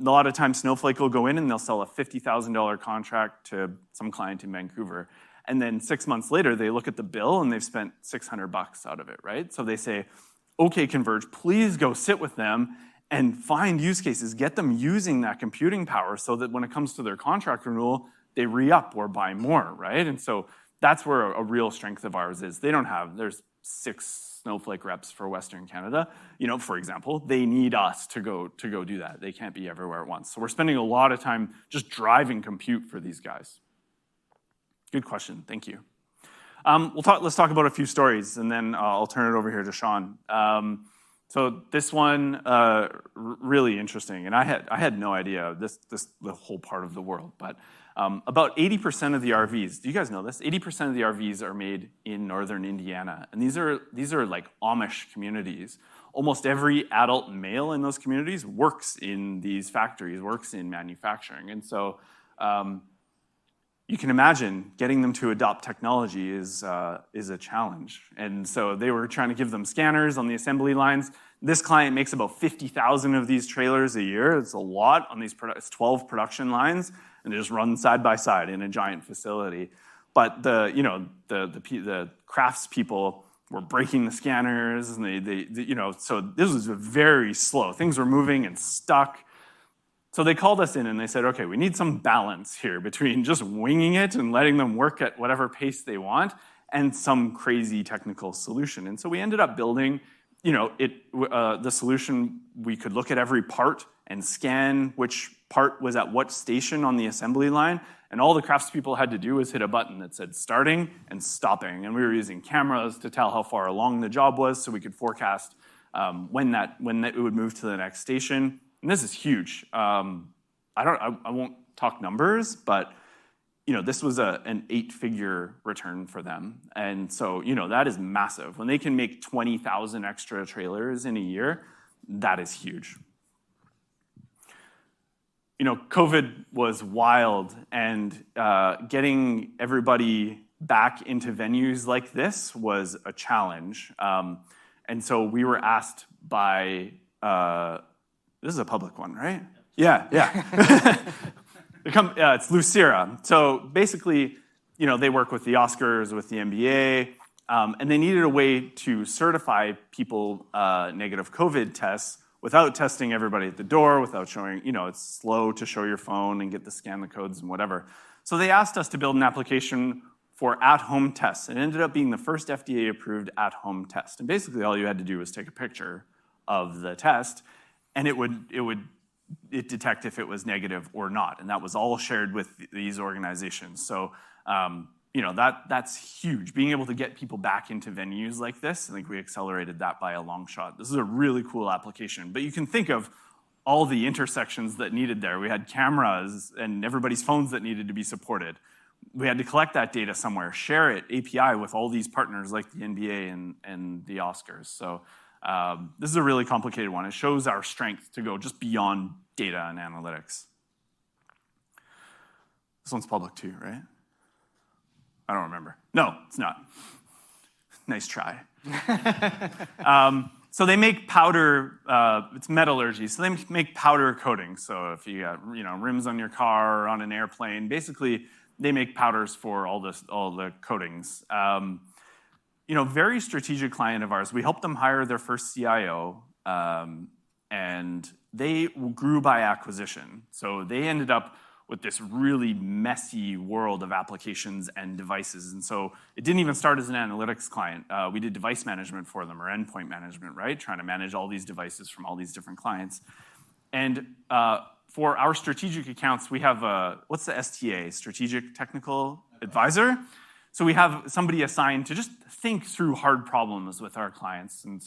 A lot of times, Snowflake will go in, and they'll sell a $50,000 contract to some client in Vancouver, and then six months later, they look at the bill, and they've spent $600 out of it, right? So they say, "Okay, Converge, please go sit with them and find use cases. Get them using that computing power so that when it comes to their contract renewal, they re-up or buy more, right?" So that's where a real strength of ours is. They don't have. There's six Snowflake reps for Western Canada, you know, for example. They need us to go, to go do that. They can't be everywhere at once. So we're spending a lot of time just driving compute for these guys. Good question. Thank you. We'll talk. Let's talk about a few stories, and then I'll turn it over here to Shaun. So this one really interesting, and I had no idea. The whole part of the world. But about 80% of the RVs, do you guys know this? 80% of the RVs are made in northern Indiana, and these are, these are, like, Amish communities. Almost every adult male in those communities works in these factories, works in manufacturing, and so you can imagine getting them to adopt technology is a challenge. And so they were trying to give them scanners on the assembly lines. This client makes about 50,000 of these trailers a year. It's 12 production lines, and they just run side by side in a giant facility. But you know, the craftspeople were breaking the scanners, and they. You know, so this was very slow. Things were moving and stuck. So they called us in and they said, "Okay, we need some balance here between just winging it and letting them work at whatever pace they want, and some crazy technical solution." And so we ended up building, you know, the solution. We could look at every part and scan which part was at what station on the assembly line, and all the craftspeople had to do was hit a button that said, "Starting" and "Stopping." We were using cameras to tell how far along the job was, so we could forecast when that it would move to the next station. This is huge. I won't talk numbers, but you know, this was a, an eight-figure return for them. So, you know, that is massive. When they can make 20,000 extra trailers in a year, that is huge. You know, COVID was wild, and getting everybody back into venues like this was a challenge. We were asked by this is a public one, right? Yeah. Yeah, yeah. It's Lucira. So basically, you know, they work with the Oscars, with the NBA, and they needed a way to certify people negative COVID tests without testing everybody at the door, without showing you know, it's slow to show your phone and get to scan the codes and whatever. So they asked us to build an application for at-home tests, and it ended up being the first FDA-approved at-home test. And basically, all you had to do was take a picture of the test, and it would detect if it was negative or not, and that was all shared with these organizations. So, you know, that, that's huge. Being able to get people back into venues like this, I think we accelerated that by a long shot. This is a really cool application. But you can think of all the intersections that needed there. We had cameras and everybody's phones that needed to be supported. We had to collect that data somewhere, share it, API, with all these partners like the NBA and the Oscars. So, this is a really complicated one. It shows our strength to go just beyond data and analytics. This one's public too, right? I don't remember. No, it's not. Nice try. So they make powder. It's metallurgy. So they make powder coatings. So if you got, you know, rims on your car or on an airplane, basically, they make powders for all the coatings. You know, very strategic client of ours, we helped them hire their first CIO, and they grew by acquisition. So they ended up with this really messy world of applications and devices, and so it didn't even start as an analytics client. We did device management for them, or endpoint management, right? Trying to manage all these devices from all these different clients. And for our strategic accounts, we have a, what's the STA? Strategic technical advisor? So we have somebody assigned to just think through hard problems with our clients, and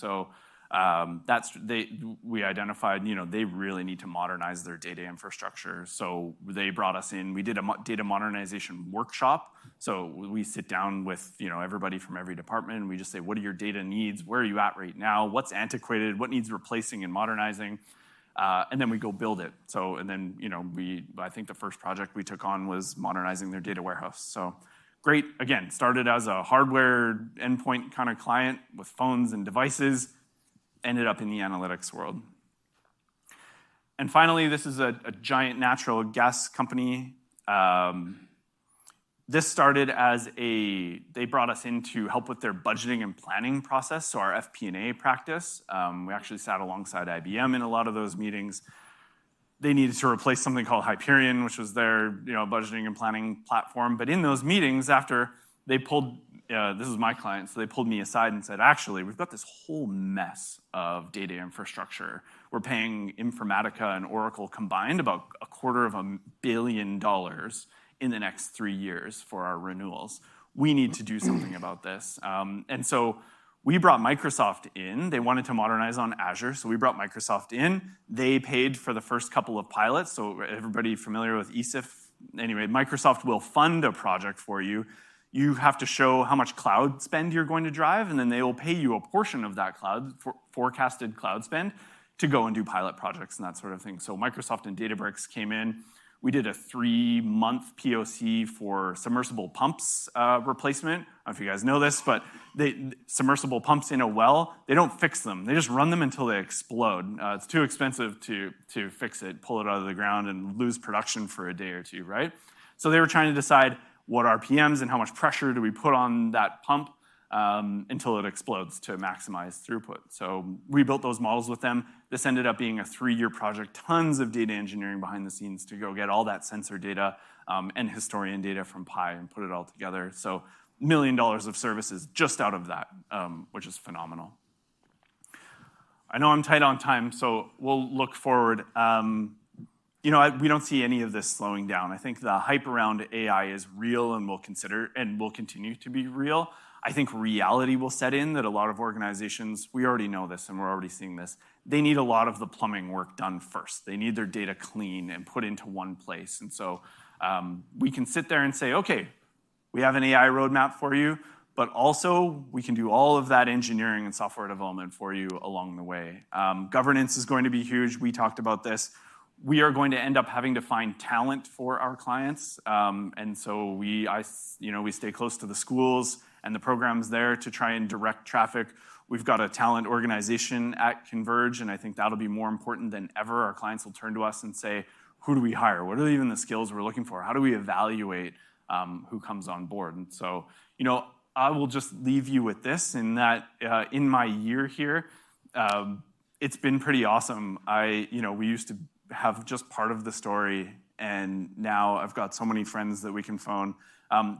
so, we identified, you know, they really need to modernize their data infrastructure. So they brought us in. We did a data modernization workshop. So we sit down with, you know, everybody from every department, and we just say: What are your data needs? Where are you at right now? What's antiquated? What needs replacing and modernizing? And then we go build it. And then, you know, we I think the first project we took on was modernizing their data warehouse. So great, again, started as a hardware endpoint kind of client with phones and devices, ended up in the analytics world. And finally, this is a giant natural gas company. They brought us in to help with their budgeting and planning process, so our FP&A practice. We actually sat alongside IBM in a lot of those meetings. They needed to replace something called Hyperion, which was their, you know, budgeting and planning platform. But in those meetings, after they pulled this is my client, so they pulled me aside and said: "Actually, we've got this whole mess of data infrastructure. We're paying Informatica and Oracle combined about $250 million in the next three years for our renewals. We need to do something about this." So we brought Microsoft in. They wanted to modernize on Azure, so we brought Microsoft in. They paid for the first couple of pilots, so everybody familiar with ECIF? Anyway, Microsoft will fund a project for you. You have to show how much cloud spend you're going to drive, and then they will pay you a portion of that cloud, forecasted cloud spend, to go and do pilot projects and that sort of thing. So Microsoft and Databricks came in. We did a three-month POC for submersible pumps, replacement. I don't know if you guys know this, but they, submersible pumps in a well, they don't fix them. They just run them until they explode. It's too expensive to fix it, pull it out of the ground, and lose production for a day or two, right? So they were trying to decide what RPMs and how much pressure do we put on that pump, until it explodes, to maximize throughput. So we built those models with them. This ended up being a three-year project. Tons of data engineering behind the scenes to go get all that sensor data, and historian data from PI and put it all together. So 1 million dollars of services just out of that, which is phenomenal. I know I'm tight on time, so we'll look forward. You know, we don't see any of this slowing down. I think the hype around AI is real and will and will continue to be real. I think reality will set in, that a lot of organizations, we already know this, and we're already seeing this, they need a lot of the plumbing work done first. They need their data clean and put into one place. And so, we can sit there and say, "Okay, we have an AI roadmap for you, but also we can do all of that engineering and software development for you along the way." Governance is going to be huge. We talked about this. We are going to end up having to find talent for our clients, and so we, I, you know, we stay close to the schools and the programs there to try and direct traffic. We've got a talent organization at Converge, and I think that'll be more important than ever. Our clients will turn to us and say: "Who do we hire? What are even the skills we're looking for? How do we evaluate, who comes on board?" And so, you know, I will just leave you with this, in that, in my year here, it's been pretty awesome. I, you know, we used to have just part of the story, and now I've got so many friends that we can phone.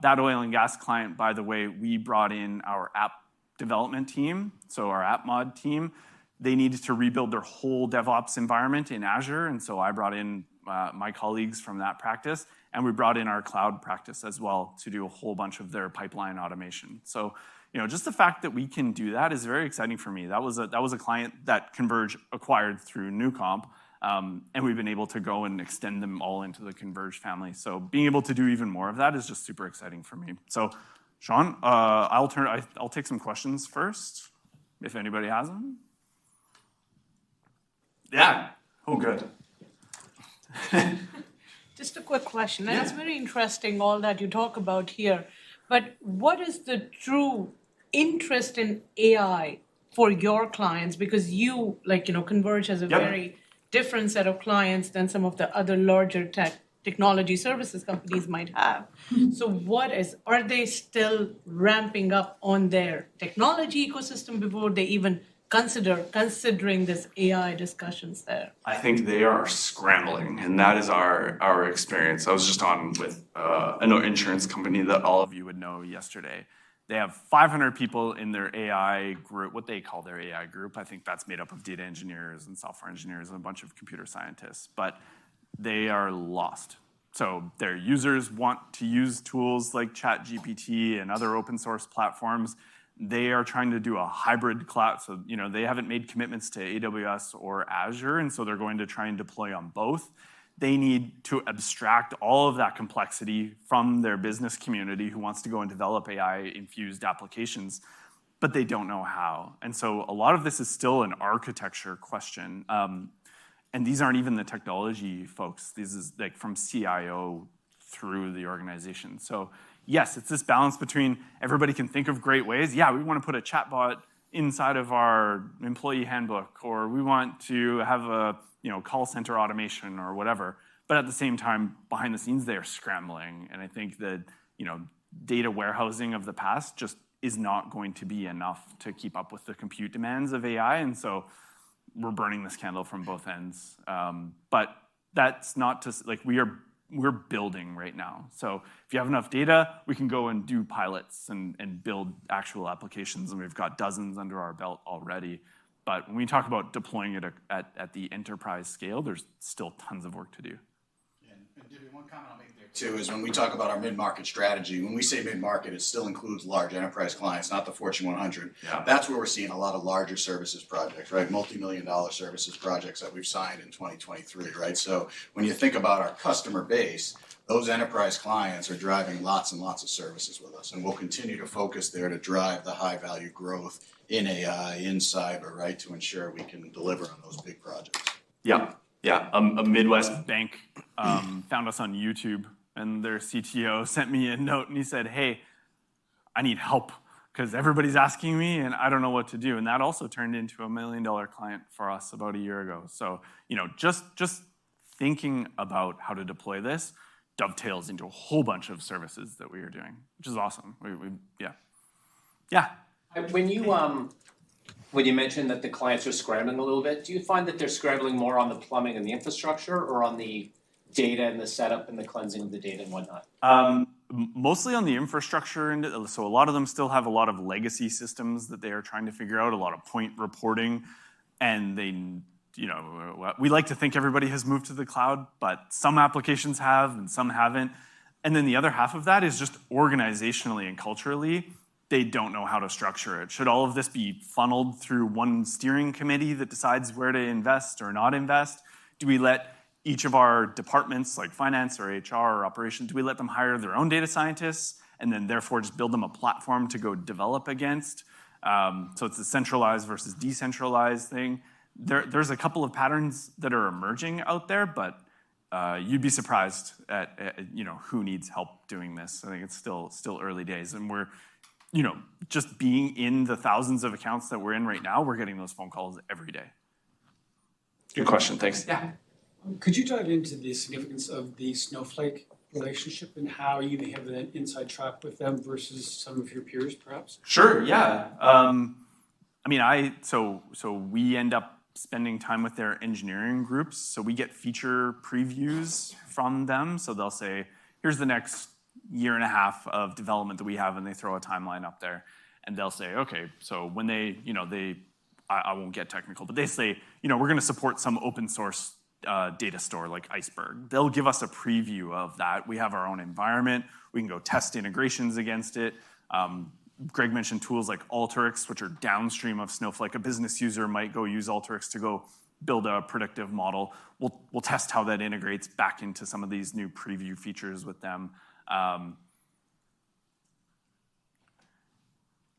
That oil and gas client, by the way, we brought in our app development team, so our app mod team. They needed to rebuild their whole DevOps environment in Azure, and so I brought in, my colleagues from that practice, and we brought in our cloud practice as well to do a whole bunch of their pipeline automation. So, you know, just the fact that we can do that is very exciting for me. That was a, that was a client that Converge acquired through Newcomp, and we've been able to go and extend them all into the Converge family. So being able to do even more of that is just super exciting for me. So Shaun, I'll take some questions first, if anybody has them. Yeah. Oh, good. Just a quick question. Yeah. That's very interesting, all that you talk about here, but what is the true interest in AI for your clients? Because you—like, you know, Converge has a very different set of clients than some of the other larger tech, technology services companies might have. So what is? Are they still ramping up on their technology ecosystem before they even consider considering these AI discussions there? I think they are scrambling, and that is our, our experience. I was just on with an insurance company that all of you would know yesterday. They have 500 people in their AI group, what they call their AI group. I think that's made up of data engineers and software engineers, and a bunch of computer scientists, but they are lost. So their users want to use tools like ChatGPT and other open source platforms. They are trying to do a hybrid cloud, so, you know, they haven't made commitments to AWS or Azure, and so they're going to try and deploy on both. They need to abstract all of that complexity from their business community who wants to go and develop AI-infused applications, but they don't know how. And so a lot of this is still an architecture question. And these aren't even the technology folks. This is, like, from CIO through the organization. So yes, it's this balance between everybody can think of great ways. "Yeah, we want to put a chatbot inside of our employee handbook," or, "We want to have a, you know, call center automation," or whatever. But at the same time, behind the scenes, they are scrambling, and I think that, you know, data warehousing of the past just is not going to be enough to keep up with the compute demands of AI, and so we're burning this candle from both ends. But like, we are—we're building right now. So if you have enough data, we can go and do pilots and build actual applications, and we've got dozens under our belt already. But when we talk about deploying it at the enterprise scale, there's still tons of work to do. Yeah, and Jimmy, one comment I'll make there, too, is when we talk about our mid-market strategy, when we say mid-market, it still includes large enterprise clients, not the Fortune 100. Yeah. That's where we're seeing a lot of larger services projects, right? Multimillion-dollar services projects that we've signed in 2023, right? So when you think about our customer base, those enterprise clients are driving lots and lots of services with us, and we'll continue to focus there to drive the high-value growth in AI, in cyber, right? To ensure we can deliver on those big projects. Yeah. Yeah. A Midwest bank found us on YouTube, and their CTO sent me a note, and he said, "Hey, I need help 'cause everybody's asking me, and I don't know what to do." And that also turned into a $1 million client for us about a year ago. So, you know, just thinking about how to deploy this dovetails into a whole bunch of services that we are doing, which is awesome. Yeah. Yeah? When you, when you mentioned that the clients are scrambling a little bit, do you find that they're scrambling more on the plumbing and the infrastructure, or on the data, and the setup, and the cleansing of the data and whatnot? Mostly on the infrastructure end. So a lot of them still have a lot of legacy systems that they are trying to figure out, a lot of point reporting, and they, you know, we like to think everybody has moved to the cloud, but some applications have and some haven't. And then the other half of that is just organizationally and culturally, they don't know how to structure it. Should all of this be funneled through one steering committee that decides where to invest or not invest? Do we let each of our departments, like finance or HR or operations, do we let them hire their own data scientists, and then therefore, just build them a platform to go develop against? So it's a centralized versus decentralized thing. There, there's a couple of patterns that are emerging out there, but you'd be surprised at, you know, who needs help doing this. I think it's still early days, and we're you know, just being in the thousands of accounts that we're in right now, we're getting those phone calls every day. Good question. Thanks. Yeah. Could you dive into the significance of the Snowflake relationship and how you have an inside track with them versus some of your peers, perhaps? Sure, yeah. I mean, so we end up spending time with their engineering groups, so we get feature previews from them. So they'll say, "Here's the next year and a half of development that we have," and they throw a timeline up there. And they'll say, "Okay," so when they, you know, I won't get technical, but they say, "You know, we're going to support some open source data store, like Iceberg." They'll give us a preview of that. We have our own environment. We can go test integrations against it. Greg mentioned tools like Alteryx, which are downstream of Snowflake. A business user might go use Alteryx to go build a predictive model. We'll test how that integrates back into some of these new preview features with them.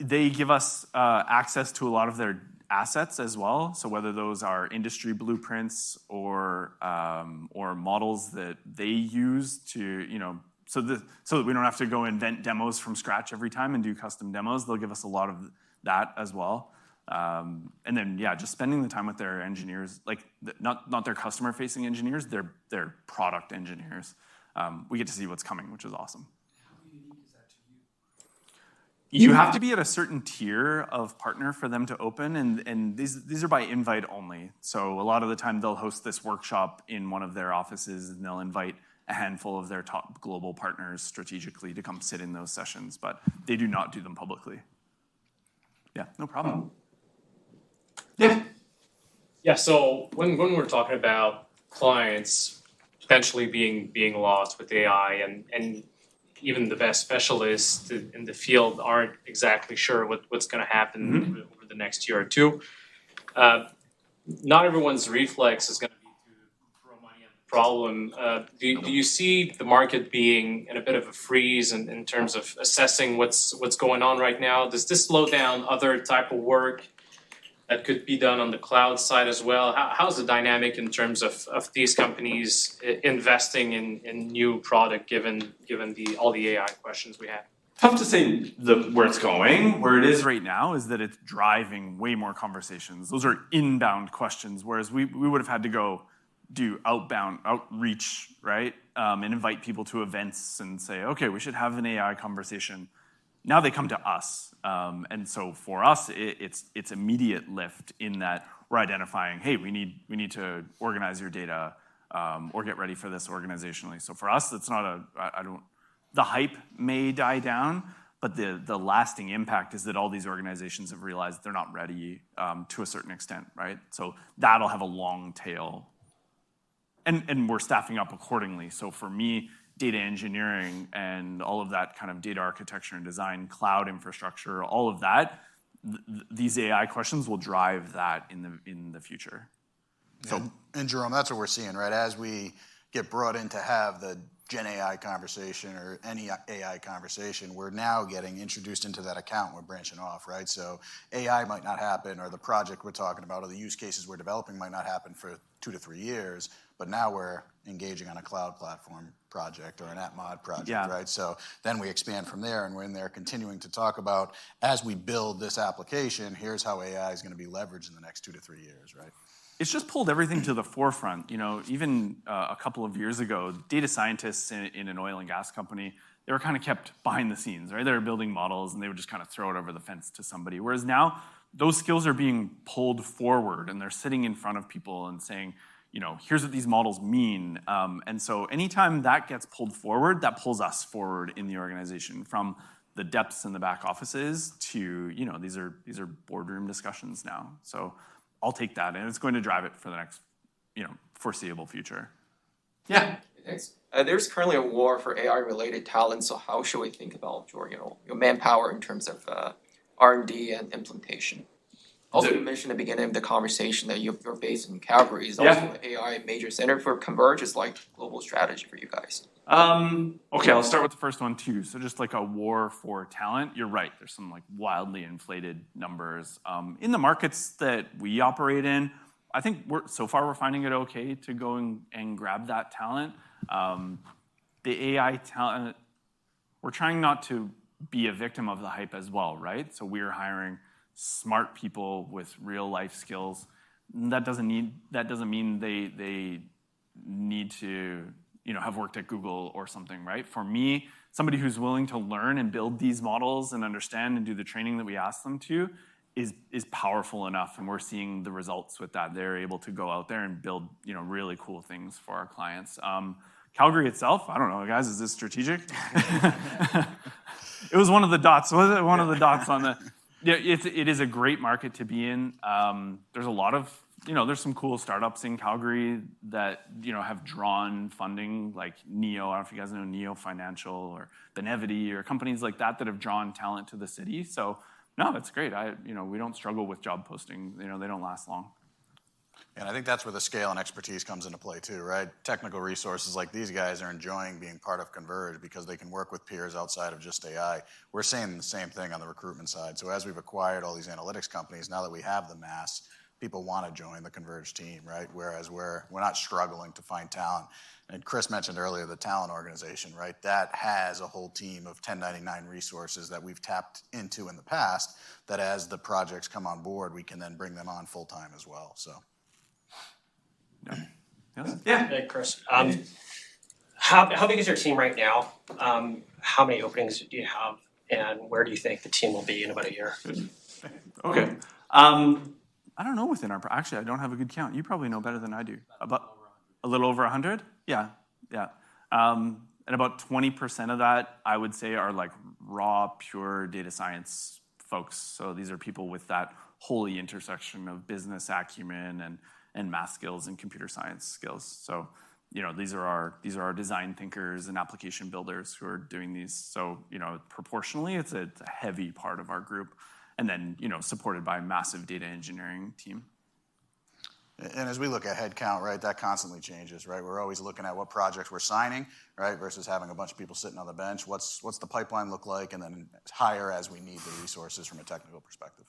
They give us access to a lot of their assets as well. So whether those are industry blueprints or models that they use to, you know, so that we don't have to go invent demos from scratch every time and do custom demos, they'll give us a lot of that as well. And then, yeah, just spending the time with their engineers, like, not their customer-facing engineers, their product engineers. We get to see what's coming, which is awesome. You have to be at a certain tier of partner for them to open, and these are by invite only. So a lot of the time they'll host this workshop in one of their offices, and they'll invite a handful of their top global partners strategically to come sit in those sessions, but they do not do them publicly. Yeah, no problem. Yeah, so when we're talking about clients potentially being lost with AI, and even the best specialists in the field aren't exactly sure what's gonna happen- Over the next year or two, not everyone's reflex is gonna be to throw money at the problem. Do you see the market being in a bit of a freeze in terms of assessing what's going on right now? Does this slow down other type of work that could be done on the cloud side as well? How is the dynamic in terms of these companies investing in new product, given all the AI questions we have? It's hard to say where it's going. Where it is right now is that it's driving way more conversations. Those are inbound questions, whereas we would've had to go do outbound outreach, right? And invite people to events and say, "Okay, we should have an AI conversation." Now they come to us. And so for us, it's immediate lift in that we're identifying: Hey, we need to organize your data or get ready for this organizationally. So for us, it's not a, I don't, the hype may die down, but the lasting impact is that all these organizations have realized they're not ready to a certain extent, right? So that'll have a long tail, and we're staffing up accordingly. So for me, data engineering and all of that kind of data architecture and design, cloud infrastructure, all of that, these AI questions will drive that in the future. And that's what we're seeing, right? As we get brought in to have the Gen AI conversation or any AI conversation, we're now getting introduced into that account. We're branching off, right? So AI might not happen, or the project we're talking about, or the use cases we're developing might not happen for two-three years, but now we're engaging on a cloud platform project or an AppMod project, right? Yeah. So then we expand from there, and we're in there continuing to talk about, as we build this application, here's how AI is gonna be leveraged in the next two-three years, right? It's just pulled everything to the forefront. You know, even a couple of years ago, data scientists in an oil and gas company, they were kind of kept behind the scenes, right? They were building models, and they would just kind of throw it over the fence to somebody. Whereas now, those skills are being pulled forward, and they're sitting in front of people and saying, you know, "Here's what these models mean." And so anytime that gets pulled forward, that pulls us forward in the organization, from the depths in the back offices to, you know, these are boardroom discussions now. So I'll take that, and it's going to drive it for the next, you know, foreseeable future. Yeah. Thanks. There's currently a war for AI-related talent, so how should we think about your, you know, your manpower in terms of R&D and implementation? The- Also, you mentioned at the beginning of the conversation that you're based in Calgary. Yeah. Is also AI major center for Converge is like global strategy for you guys. Okay, I'll start with the first one, too. So just like a war for talent, you're right. There's some, like, wildly inflated numbers. In the markets that we operate in, I think we're-- so far, we're finding it okay to go and, and grab that talent. The AI talent, we're trying not to be a victim of the hype as well, right? So we're hiring smart people with real-life skills. That doesn't need- that doesn't mean they, they need to, you know, have worked at Google or something, right? For me, somebody who's willing to learn and build these models and understand and do the training that we ask them to is, is powerful enough, and we're seeing the results with that. They're able to go out there and build, you know, really cool things for our clients. Calgary itself, I don't know, guys, is this strategic? It was one of the dots. It was one of the dots on the, yeah, it is a great market to be in. There's a lot of—you know, there's some cool startups in Calgary that, you know, have drawn funding, like Neo. I don't know if you guys know Neo Financial or Benevity or companies like that that have drawn talent to the city. So no, it's great. You know, we don't struggle with job posting. You know, they don't last long. I think that's where the scale and expertise comes into play, too, right? Technical resources like these guys are enjoying being part of Converge because they can work with peers outside of just AI. We're seeing the same thing on the recruitment side. So as we've acquired all these analytics companies, now that we have the mass, people wanna join the Converge team, right? Whereas we're not struggling to find talent. And Chris mentioned earlier, the talent organization, right? That has a whole team of 1099 resources that we've tapped into in the past, that as the projects come on board, we can then bring them on full-time as well, so. Yeah. Hey, Chris. How big is your team right now? How many openings do you have, and where do you think the team will be in about a year? Okay, I don't know within our, actually, I don't have a good count. You probably know better than I do. About- A little over 100. A little over 100? Yeah, yeah. And about 20% of that, I would say, are, like, raw, pure data science folks. So these are people with that holy intersection of business acumen and math skills and computer science skills. So, you know, these are our design thinkers and application builders who are doing this. So, you know, proportionally, it's a heavy part of our group, and then, you know, supported by a massive data engineering team. and as we look at head count, right, that constantly changes, right? We're always looking at what projects we're signing, right? Versus having a bunch of people sitting on the bench. What's the pipeline look like, and then hire as we need the resources from a technical perspective.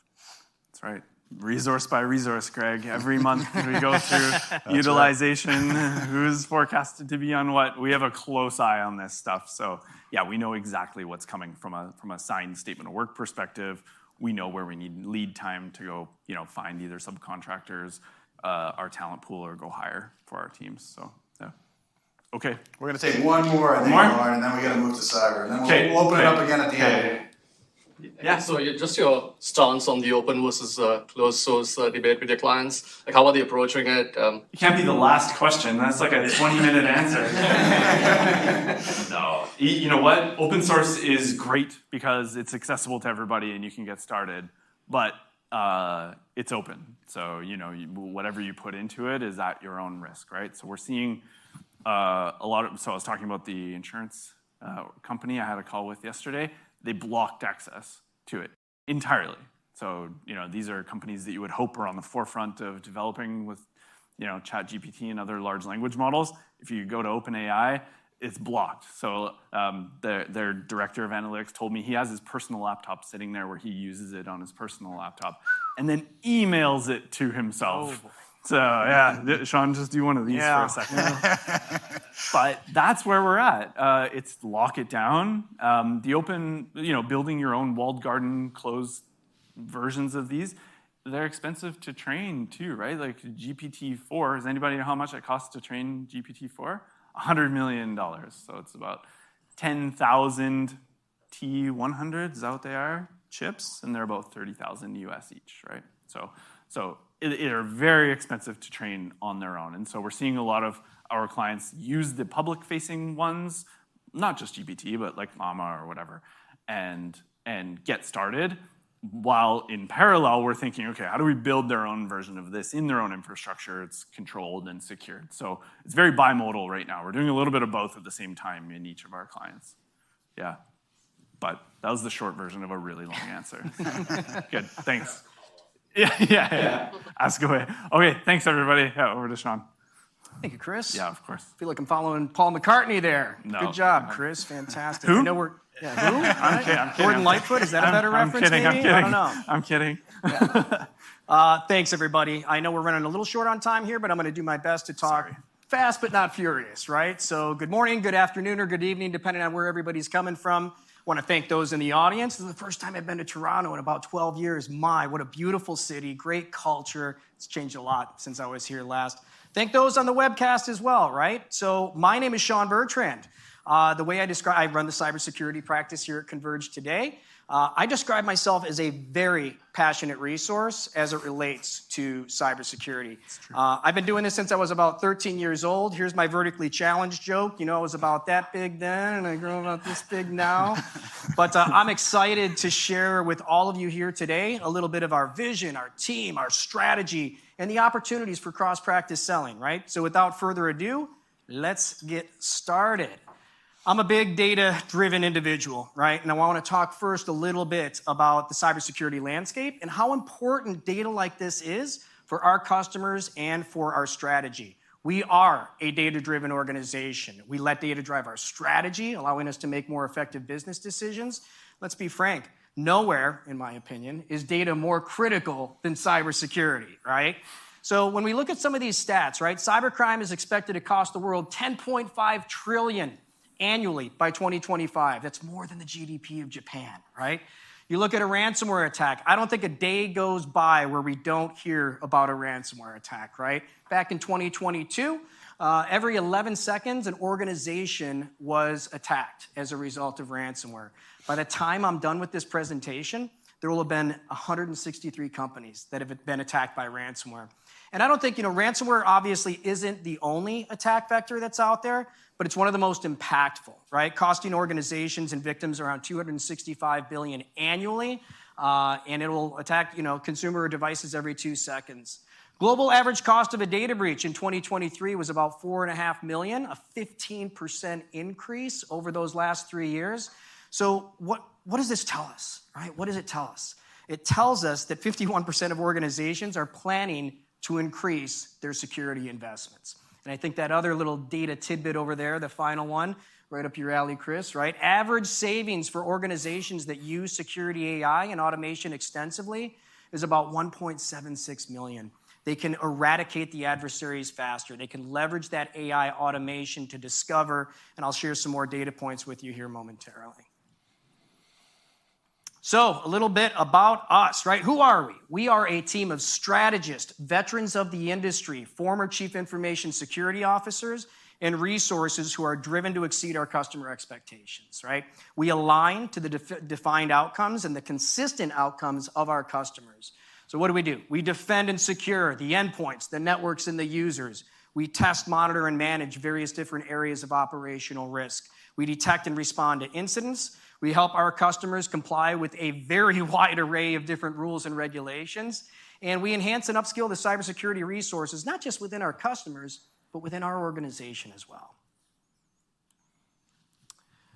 That's right. Resource by resource, Greg. Every month- That's right. We go through utilization, who's forecasted to be on what. We have a close eye on this stuff. So yeah, we know exactly what's coming from a signed statement of work perspective. We know where we need lead time to go, you know, find either subcontractors, our talent pool, or go hire for our teams. So, yeah. Okay, we're gonna take one more, I think, and then we gotta move to cyber. Okay. We'll open it up again at the end. Yeah. Yeah, so just your stance on the open versus closed source debate with your clients. Like, how are they approaching it? It can't be the last question. That's like a 20-minute answer. No. You know what? Open source is great because it's accessible to everybody, and you can get started, but it's open. So, you know, whatever you put into it is at your own risk, right? So we're seeing a lot of. So I was talking about the insurance company I had a call with yesterday. They blocked access to it entirely. So, you know, these are companies that you would hope are on the forefront of developing with, you know, ChatGPT and other large language models. If you go to OpenAI, it's blocked. So, their director of analytics told me he has his personal laptop sitting there, where he uses it on his personal laptop, and then emails it to himself. Oh, boy! So yeah, Shaun, just do one of these for a second. Yeah. But that's where we're at. It's lock it down. The open, you know, building your own walled garden, closed versions of these, they're expensive to train too, right? Like, GPT-4, does anybody know how much it costs to train GPT-4? $100 million. So it's about 10,000 H100s, is that what they are? Chips, and they're about $30,000 each, right? So it is very expensive to train on their own. And so we're seeing a lot of our clients use the public-facing ones, not just GPT, but like Llama or whatever, and get started, while in parallel, we're thinking, "Okay, how do we build their own version of this in their own infrastructure that's controlled and secured?" So it's very bimodal right now. We're doing a little bit of both at the same time in each of our clients. Yeah. That was the short version of a really long answer. Good, thanks. Follow up. Yeah. Ask away. Okay, thanks, everybody. Over to Shaun. Thank you, Chris. Yeah, of course. Feel like I'm following Paul McCartney there. No. Good job, Chris. Fantastic. Who? I know we're. Who? I'm kidding. Gordon Lightfoot, is that a better reference maybe? I'm kidding, I'm kidding. I don't know. I'm kidding. Yeah. Thanks, everybody. I know we're running a little short on time here, but I'm gonna do my best to talk- Sorry. Fast, but not furious, right? So good morning, good afternoon, or good evening, depending on where everybody's coming from. Wanna thank those in the audience. This is the first time I've been to Toronto in about 12 years. My, what a beautiful city, great culture. It's changed a lot since I was here last. Thank those on the webcast as well, right? So my name is Shaun Bertrand. The way I describe, I run the cybersecurity practice here at Converge today. I describe myself as a very passionate resource as it relates to cybersecurity. It's true. I've been doing this since I was about 13 years old. Here's my vertically challenged joke. You know, I was about that big then, and I grew about this big now. But, I'm excited to share with all of you here today a little bit of our vision, our team, our strategy, and the opportunities for cross-practice selling, right? So without further ado, let's get started. I'm a big data-driven individual, right? And I wanna talk first a little bit about the cybersecurity landscape and how important data like this is for our customers and for our strategy. We are a data-driven organization. We let data drive our strategy, allowing us to make more effective business decisions. Let's be frank, nowhere, in my opinion, is data more critical than cybersecurity, right? So when we look at some of these stats, right, cybercrime is expected to cost the world $10.5 trillion annually by 2025. That's more than the GDP of Japan, right? You look at a ransomware attack. I don't think a day goes by where we don't hear about a ransomware attack, right? Back in 2022, every 11 seconds, an organization was attacked as a result of ransomware. By the time I'm done with this presentation, there will have been 163 companies that have been attacked by ransomware. And I don't think, you know, ransomware obviously isn't the only attack vector that's out there, but it's one of the most impactful, right? Costing organizations and victims around $265 billion annually, and it will attack, you know, consumer devices every two seconds. Global average cost of a data breach in 2023 was about $4.5 million, a 15% increase over those last three years. So what, what does this tell us, right? What does it tell us? It tells us that 51% of organizations are planning to increase their security investments. And I think that other little data tidbit over there, the final one, right up your alley, Chris, right? Average savings for organizations that use security AI and automation extensively is about $1.76 million. They can eradicate the adversaries faster. They can leverage that AI automation to discover, and I'll share some more data points with you here momentarily. So a little bit about us, right? Who are we? We are a team of strategists, veterans of the industry, former chief information security officers, and resources who are driven to exceed our customer expectations, right? We align to the defined outcomes and the consistent outcomes of our customers. So what do we do? We defend and secure the endpoints, the networks, and the users. We test, monitor, and manage various different areas of operational risk. We detect and respond to incidents. We help our customers comply with a very wide array of different rules and regulations, and we enhance and upskill the cybersecurity resources, not just within our customers, but within our organization as well.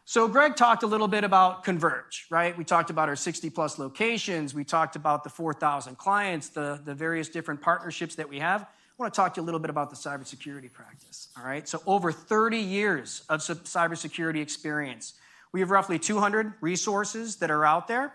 So Greg talked a little bit about Converge, right? We talked about our 60+ locations. We talked about the 4,000 clients, the various different partnerships that we have. I wanna talk to you a little bit about the cybersecurity practice, all right? So over 30 years of cybersecurity experience, we have roughly 200 resources that are out there,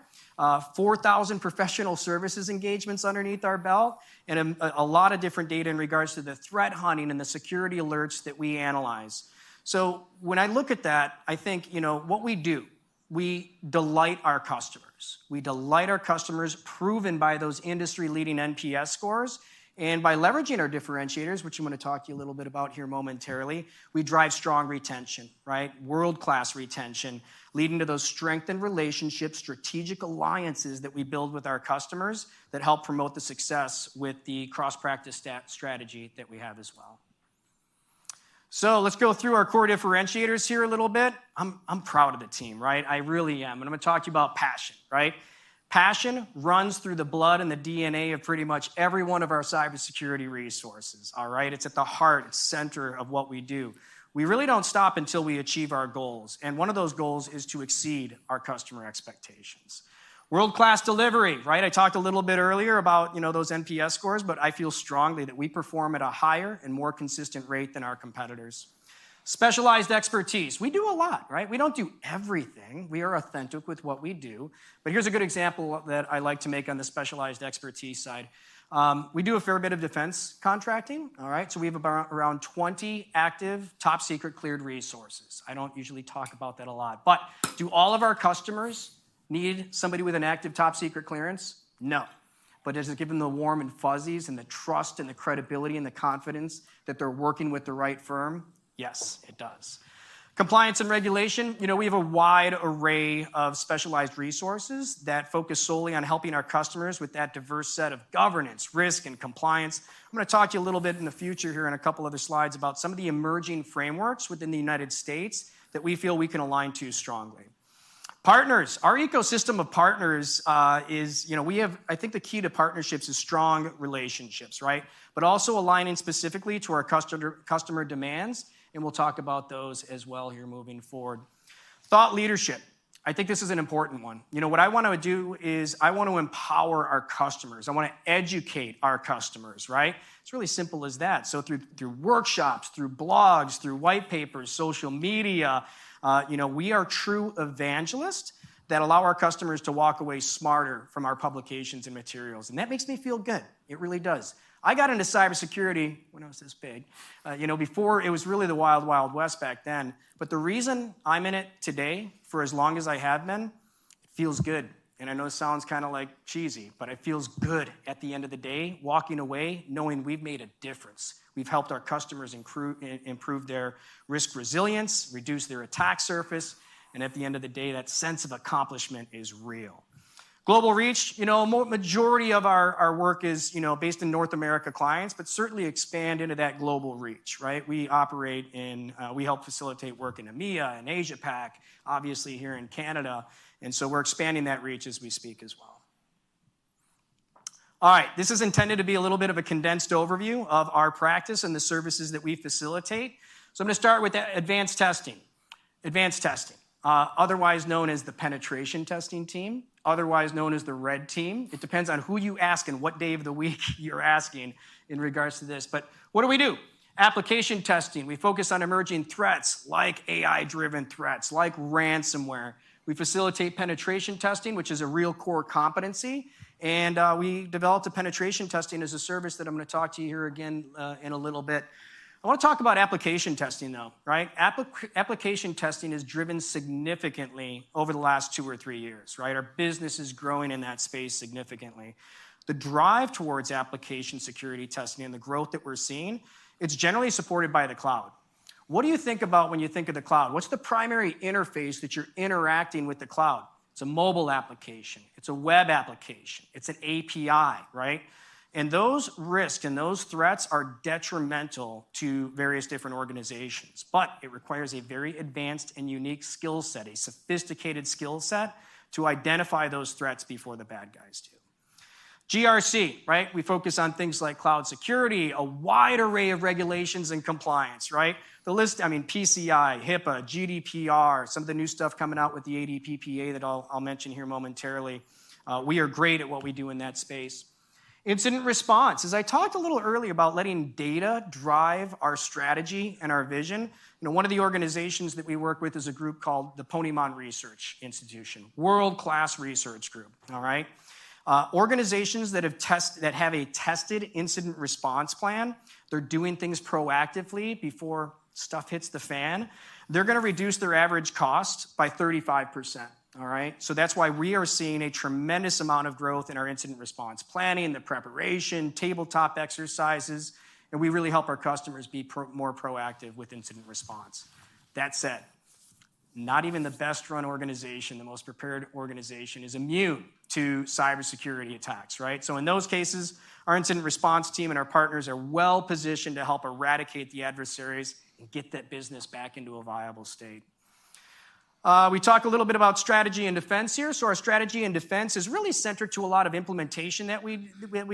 4,000 professional services engagements underneath our belt, and a lot of different data in regards to the threat hunting and the security alerts that we analyze. So when I look at that, I think, you know, what we do. We delight our customers. We delight our customers, proven by those industry-leading NPS scores, and by leveraging our differentiators, which I'm gonna talk to you a little bit about here momentarily, we drive strong retention, right? World-class retention, leading to those strengthened relationship strategic alliances that we build with our customers, that help promote the success with the cross-practice strategy that we have as well. So let's go through our core differentiators here a little bit. I'm, I'm proud of the team, right? I really am, and I'm gonna talk to you about passion, right? Passion runs through the blood and the DNA of pretty much every one of our cybersecurity resources, all right? It's at the heart and center of what we do. We really don't stop until we achieve our goals, and one of those goals is to exceed our customer expectations. World-class delivery, right? I talked a little bit earlier about, you know, those NPS scores, but I feel strongly that we perform at a higher and more consistent rate than our competitors. Specialized expertise. We do a lot, right? We don't do everything. We are authentic with what we do, but here's a good example of that I like to make on the specialized expertise side. We do a fair bit of defense contracting, all right? So we have around 20 active, top-secret cleared resources. I don't usually talk about that a lot, but do all of our customers need somebody with an active top secret clearance? No. But does it give them the warm and fuzzies, and the trust, and the credibility, and the confidence that they're working with the right firm? Yes, it does. Compliance and regulation, you know, we have a wide array of specialized resources that focus solely on helping our customers with that diverse set of governance, risk, and compliance. I'm gonna talk to you a little bit in the future here in a couple other slides about some of the emerging frameworks within the United States that we feel we can align to strongly. Partners, our ecosystem of partners, is, you know. We have—I think the key to partnerships is strong relationships, right? But also aligning specifically to our customer, customer demands, and we'll talk about those as well here moving forward. Thought leadership, I think this is an important one. You know, what I wanna do is, I want to empower our customers. I wanna educate our customers, right? It's really simple as that. So through workshops, through blogs, through white papers, social media, you know, we are true evangelists that allow our customers to walk away smarter from our publications and materials, and that makes me feel good. It really does. I got into cybersecurity when I was this big, you know, before, it was really the Wild Wild West back then. But the reason I'm in it today, for as long as I have been, it feels good. I know it sounds kinda, like, cheesy, but it feels good at the end of the day, walking away, knowing we've made a difference. We've helped our customers improve their risk resilience, reduce their attack surface, and at the end of the day, that sense of accomplishment is real. Global reach, you know, a majority of our, our work is, you know, based in North America clients, but certainly expand into that global reach, right? We operate in. We help facilitate work in EMEA and Asia Pac, obviously here in Canada, and so we're expanding that reach as we speak as well. All right, this is intended to be a little bit of a condensed overview of our practice and the services that we facilitate. So I'm gonna start with the advanced testing. Advanced testing, otherwise known as the penetration testing team, otherwise known as the red team. It depends on who you ask and what day of the week you're asking in regards to this. But what do we do? Application testing. We focus on emerging threats like AI-driven threats, like ransomware. We facilitate penetration testing, which is a real core competency, and we developed a penetration testing as a service that I'm gonna talk to you here again in a little bit. I wanna talk about application testing, though, right? Application testing has driven significantly over the last two or three years, right? Our business is growing in that space significantly. The drive towards application security testing and the growth that we're seeing, it's generally supported by the cloud. What do you think about when you think of the cloud? What's the primary interface that you're interacting with the cloud? It's a mobile application, it's a web application, it's an API, right? And those risks and those threats are detrimental to various different organizations, but it requires a very advanced and unique skill set, a sophisticated skill set, to identify those threats before the bad guys do. GRC, right? We focus on things like cloud security, a wide array of regulations and compliance, right? The list, I mean, PCI, HIPAA, GDPR, some of the new stuff coming out with the ADPPA that I'll mention here momentarily. We are great at what we do in that space. Incident response. As I talked a little earlier about letting data drive our strategy and our vision, you know, one of the organizations that we work with is a group called the Ponemon Institute. World-class research group, all right? Organizations that have a tested incident response plan, they're doing things proactively before stuff hits the fan. They're gonna reduce their average cost by 35%, all right? So that's why we are seeing a tremendous amount of growth in our incident response planning, the preparation, tabletop exercises, and we really help our customers be more proactive with incident response. That said, not even the best-run organization, the most prepared organization, is immune to cybersecurity attacks, right? So in those cases, our incident response team and our partners are well-positioned to help eradicate the adversaries and get that business back into a viable state. We talk a little bit about strategy and defense here. So our strategy and defense is really centered to a lot of implementation that we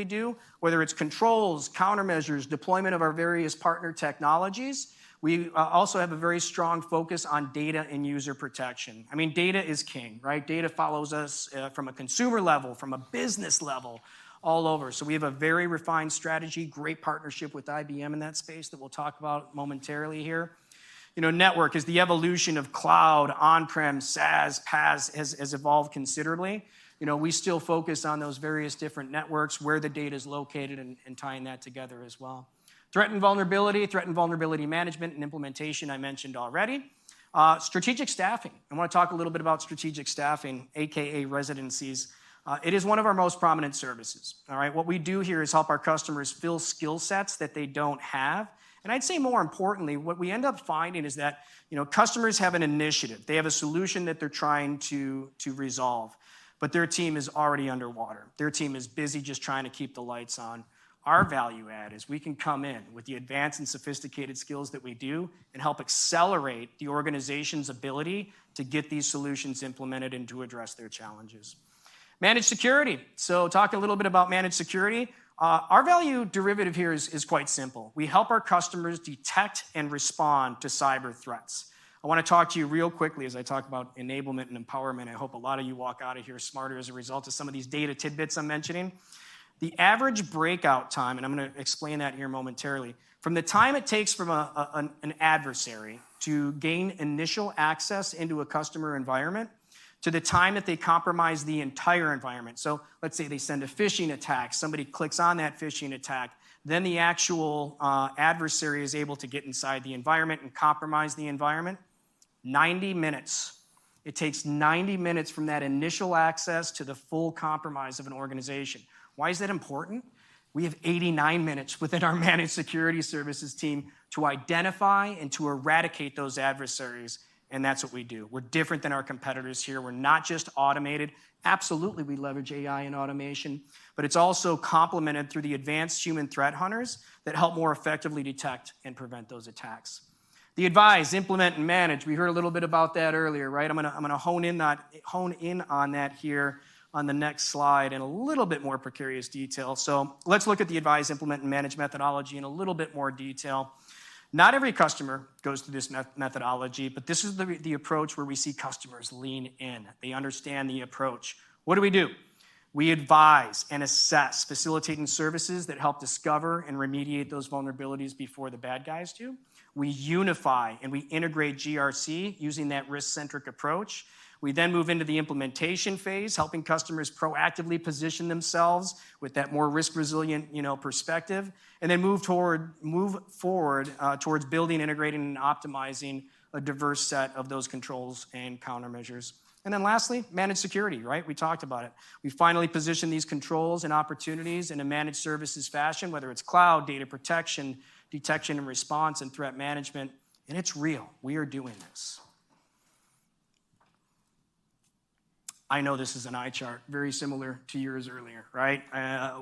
do, whether it's controls, countermeasures, deployment of our various partner technologies. We also have a very strong focus on data and user protection. I mean, data is king, right? Data follows us from a consumer level, from a business level, all over. So we have a very refined strategy, great partnership with IBM in that space that we'll talk about momentarily here. You know, network is the evolution of cloud, on-prem, SaaS, PaaS, has, has evolved considerably. You know, we still focus on those various different networks, where the data is located, and, and tying that together as well. Threat and vulnerability, threat and vulnerability management and implementation, I mentioned already. Strategic staffing. I wanna talk a little bit about strategic staffing, AKA residencies. It is one of our most prominent services. All right? What we do here is help our customers fill skill sets that they don't have, and I'd say more importantly, what we end up finding is that, you know, customers have an initiative. They have a solution that they're trying to resolve, but their team is already underwater. Their team is busy just trying to keep the lights on. Our value add is we can come in with the advanced and sophisticated skills that we do and help accelerate the organization's ability to get these solutions implemented and to address their challenges. Managed security. So talk a little bit about managed security. Our value derivative here is quite simple. We help our customers detect and respond to cyber threats. I wanna talk to you real quickly as I talk about enablement and empowerment. I hope a lot of you walk out of here smarter as a result of some of these data tidbits I'm mentioning. The average breakout time, and I'm gonna explain that here momentarily, from the time it takes from an adversary to gain initial access into a customer environment, to the time that they compromise the entire environment. So let's say they send a phishing attack, somebody clicks on that phishing attack, then the actual adversary is able to get inside the environment and compromise the environment, 90 minutes. It takes 90 minutes from that initial access to the full compromise of an organization. Why is that important? We have 89 minutes within our managed security services team to identify and to eradicate those adversaries, and that's what we do. We're different than our competitors here. We're not just automated. Absolutely, we leverage AI and automation, but it's also complemented through the advanced human threat hunters that help more effectively detect and prevent those attacks. The Advise, Implement, and Manage. We heard a little bit about that earlier, right? I'm gonna hone in on that here on the next slide in a little bit more particular detail. So let's look at the Advise, Implement, and Manage methodology in a little bit more detail. Not every customer goes through this methodology, but this is the approach where we see customers lean in. They understand the approach. What do we do? We advise and assess, facilitating services that help discover and remediate those vulnerabilities before the bad guys do. We unify and we integrate GRC using that risk-centric approach. We then move into the implementation phase, helping customers proactively position themselves with that more risk-resilient, you know, perspective, and then move toward, move forward, towards building, integrating, and optimizing a diverse set of those controls and countermeasures. And then lastly, managed security, right? We talked about it. We finally position these controls and opportunities in a managed services fashion, whether it's cloud, data protection, detection and response, and threat management, and it's real. We are doing this. I know this is an eye chart, very similar to yours earlier, right?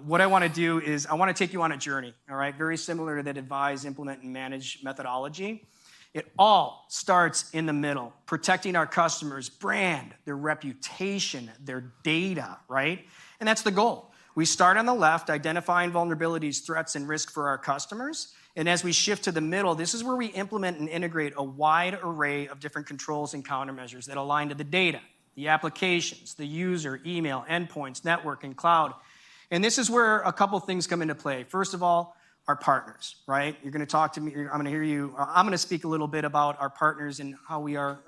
What I wanna do is I wanna take you on a journey, all right? Very similar to that advise, implement, and manage methodology. It all starts in the middle, protecting our customer's brand, their reputation, their data, right? And that's the goal. We start on the left, identifying vulnerabilities, threats, and risk for our customers, and as we shift to the middle, this is where we implement and integrate a wide array of different controls and countermeasures that align to the data, the applications, the user, email, endpoints, network, and cloud. This is where a couple things come into play. First of all, our partners, right? You're gonna talk to me. I'm gonna hear you. I'm gonna speak a little bit about our partners and how we are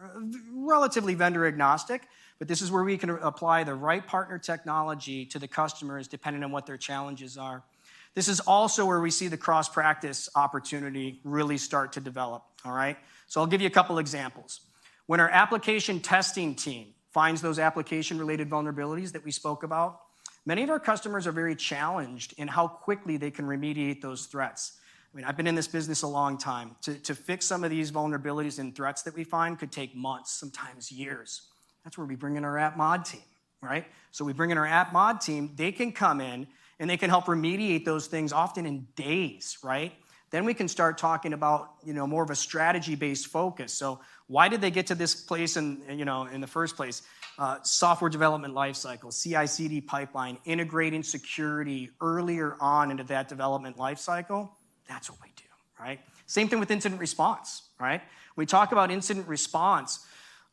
relatively vendor-agnostic, but this is where we can apply the right partner technology to the customers, depending on what their challenges are. This is also where we see the cross-practice opportunity really start to develop, all right? I'll give you a couple examples. When our application testing team finds those application-related vulnerabilities that we spoke about, many of our customers are very challenged in how quickly they can remediate those threats. I mean, I've been in this business a long time. To fix some of these vulnerabilities and threats that we find could take months, sometimes years. That's where we bring in our app mod team, right? So we bring in our app mod team, they can come in, and they can help remediate those things often in days, right? Then we can start talking about, you know, more of a strategy-based focus. So why did they get to this place in, you know, in the first place? Software development lifecycle, CI/CD pipeline, integrating security earlier on into that development lifecycle, that's what we do, right? Same thing with incident response, right? We talk about incident response.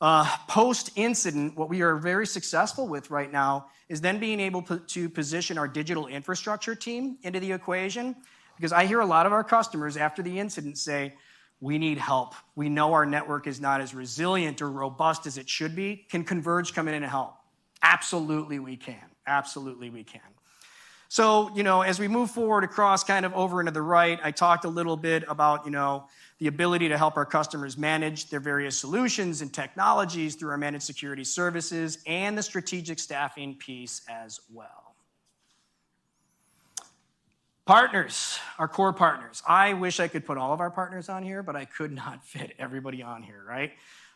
Post-incident, what we are very successful with right now is then being able to position our digital infrastructure team into the equation. Because I hear a lot of our customers after the incident say, "We need help. We know our network is not as resilient or robust as it should be. Can Converge come in and help?" Absolutely, we can. Absolutely, we can. So, you know, as we move forward across, kind of over and to the right, I talked a little bit about, you know, the ability to help our customers manage their various solutions and technologies through our managed security services and the strategic staffing piece as well. Partners, our core partners. I wish I could put all of our partners on here, but I could not fit everybody on here, right?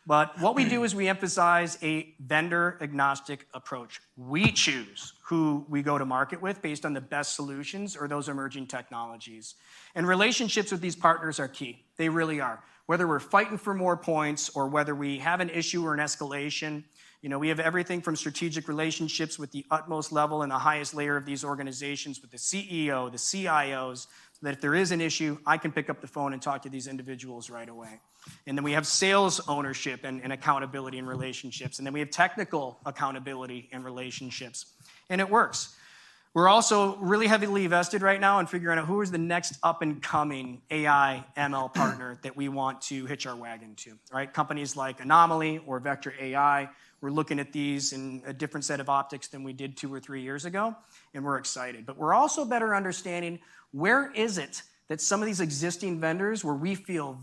But what we do is we emphasize a vendor-agnostic approach. We choose who we go to market with based on the best solutions or those emerging technologies. Relationships with these partners are key. They really are. Whether we're fighting for more points or whether we have an issue or an escalation, you know, we have everything from strategic relationships with the utmost level and the highest layer of these organizations, with the CEO, the CIOs, so that if there is an issue, I can pick up the phone and talk to these individuals right away. And then we have sales ownership and accountability in relationships, and then we have technical accountability in relationships, and it works. We're also really heavily vested right now in figuring out who is the next up-and-coming AI, ML partner that we want to hitch our wagon to, right? Companies like Anomali or Vectra AI, we're looking at these in a different set of optics than we did two or three years ago, and we're excited. But we're also better understanding where is it that some of these existing vendors, where we feel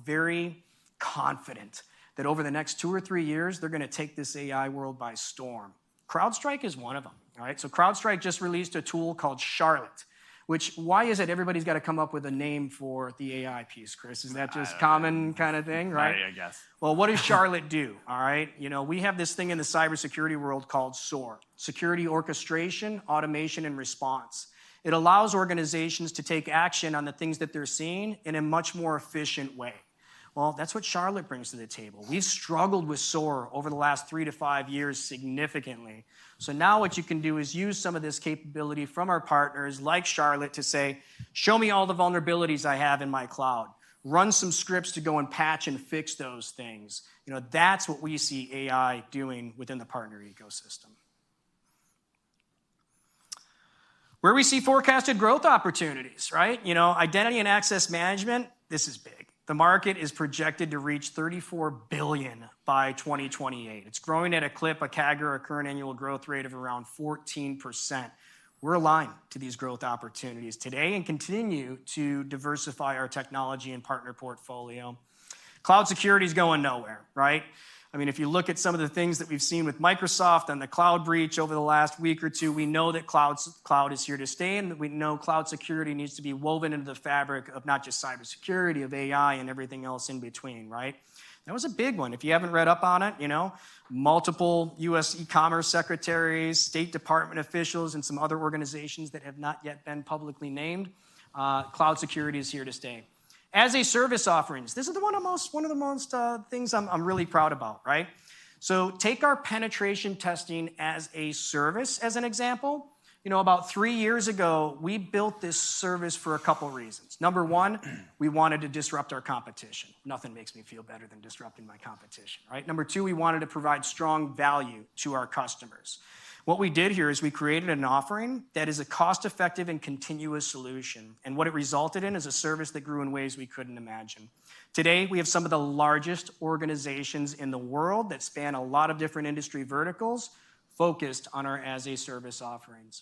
confident that over the next two or three years, they're gonna take this AI world by storm. CrowdStrike is one of them, right? So CrowdStrike just released a tool called Charlotte, which why is it everybody's gotta come up with a name for the AI piece, Chris? Is that just a common kinda thing, right? I guess. Well, what does Charlotte do, all right? You know, we have this thing in the cybersecurity world called SOAR, Security Orchestration, Automation, and Response. It allows organizations to take action on the things that they're seeing in a much more efficient way. Well, that's what Charlotte brings to the table. We've struggled with SOAR over the last three-five years significantly. So now, what you can do is use some of this capability from our partners, like Charlotte, to say, "Show me all the vulnerabilities I have in my cloud. Run some scripts to go and patch and fix those things." You know, that's what we see AI doing within the partner ecosystem. Where we see forecasted growth opportunities, right? You know, identity and access management, this is big. The market is projected to reach $34 billion by 2028. It's growing at a clip, a CAGR, a current annual growth rate of around 14%. We're aligned to these growth opportunities today and continue to diversify our technology and partner portfolio. Cloud security is going nowhere, right? I mean, if you look at some of the things that we've seen with Microsoft and the cloud breach over the last week or two, we know that cloud is here to stay, and we know cloud security needs to be woven into the fabric of not just cybersecurity, of AI and everything else in between, right? That was a big one. If you haven't read up on it, you know, multiple U.S. e-commerce secretaries, State Department officials, and some other organizations that have not yet been publicly named, cloud security is here to stay. As-a-service offerings, this is one of the most things I'm really proud about, right? So take our penetration testing as-a-service as an example. You know, about three years ago, we built this service for a couple reasons. Number one, we wanted to disrupt our competition. Nothing makes me feel better than disrupting my competition, right? Number two, we wanted to provide strong value to our customers. What we did here is we created an offering that is a cost-effective and continuous solution, and what it resulted in is a service that grew in ways we couldn't imagine. Today, we have some of the largest organizations in the world that span a lot of different industry verticals focused on our as-a-service offerings.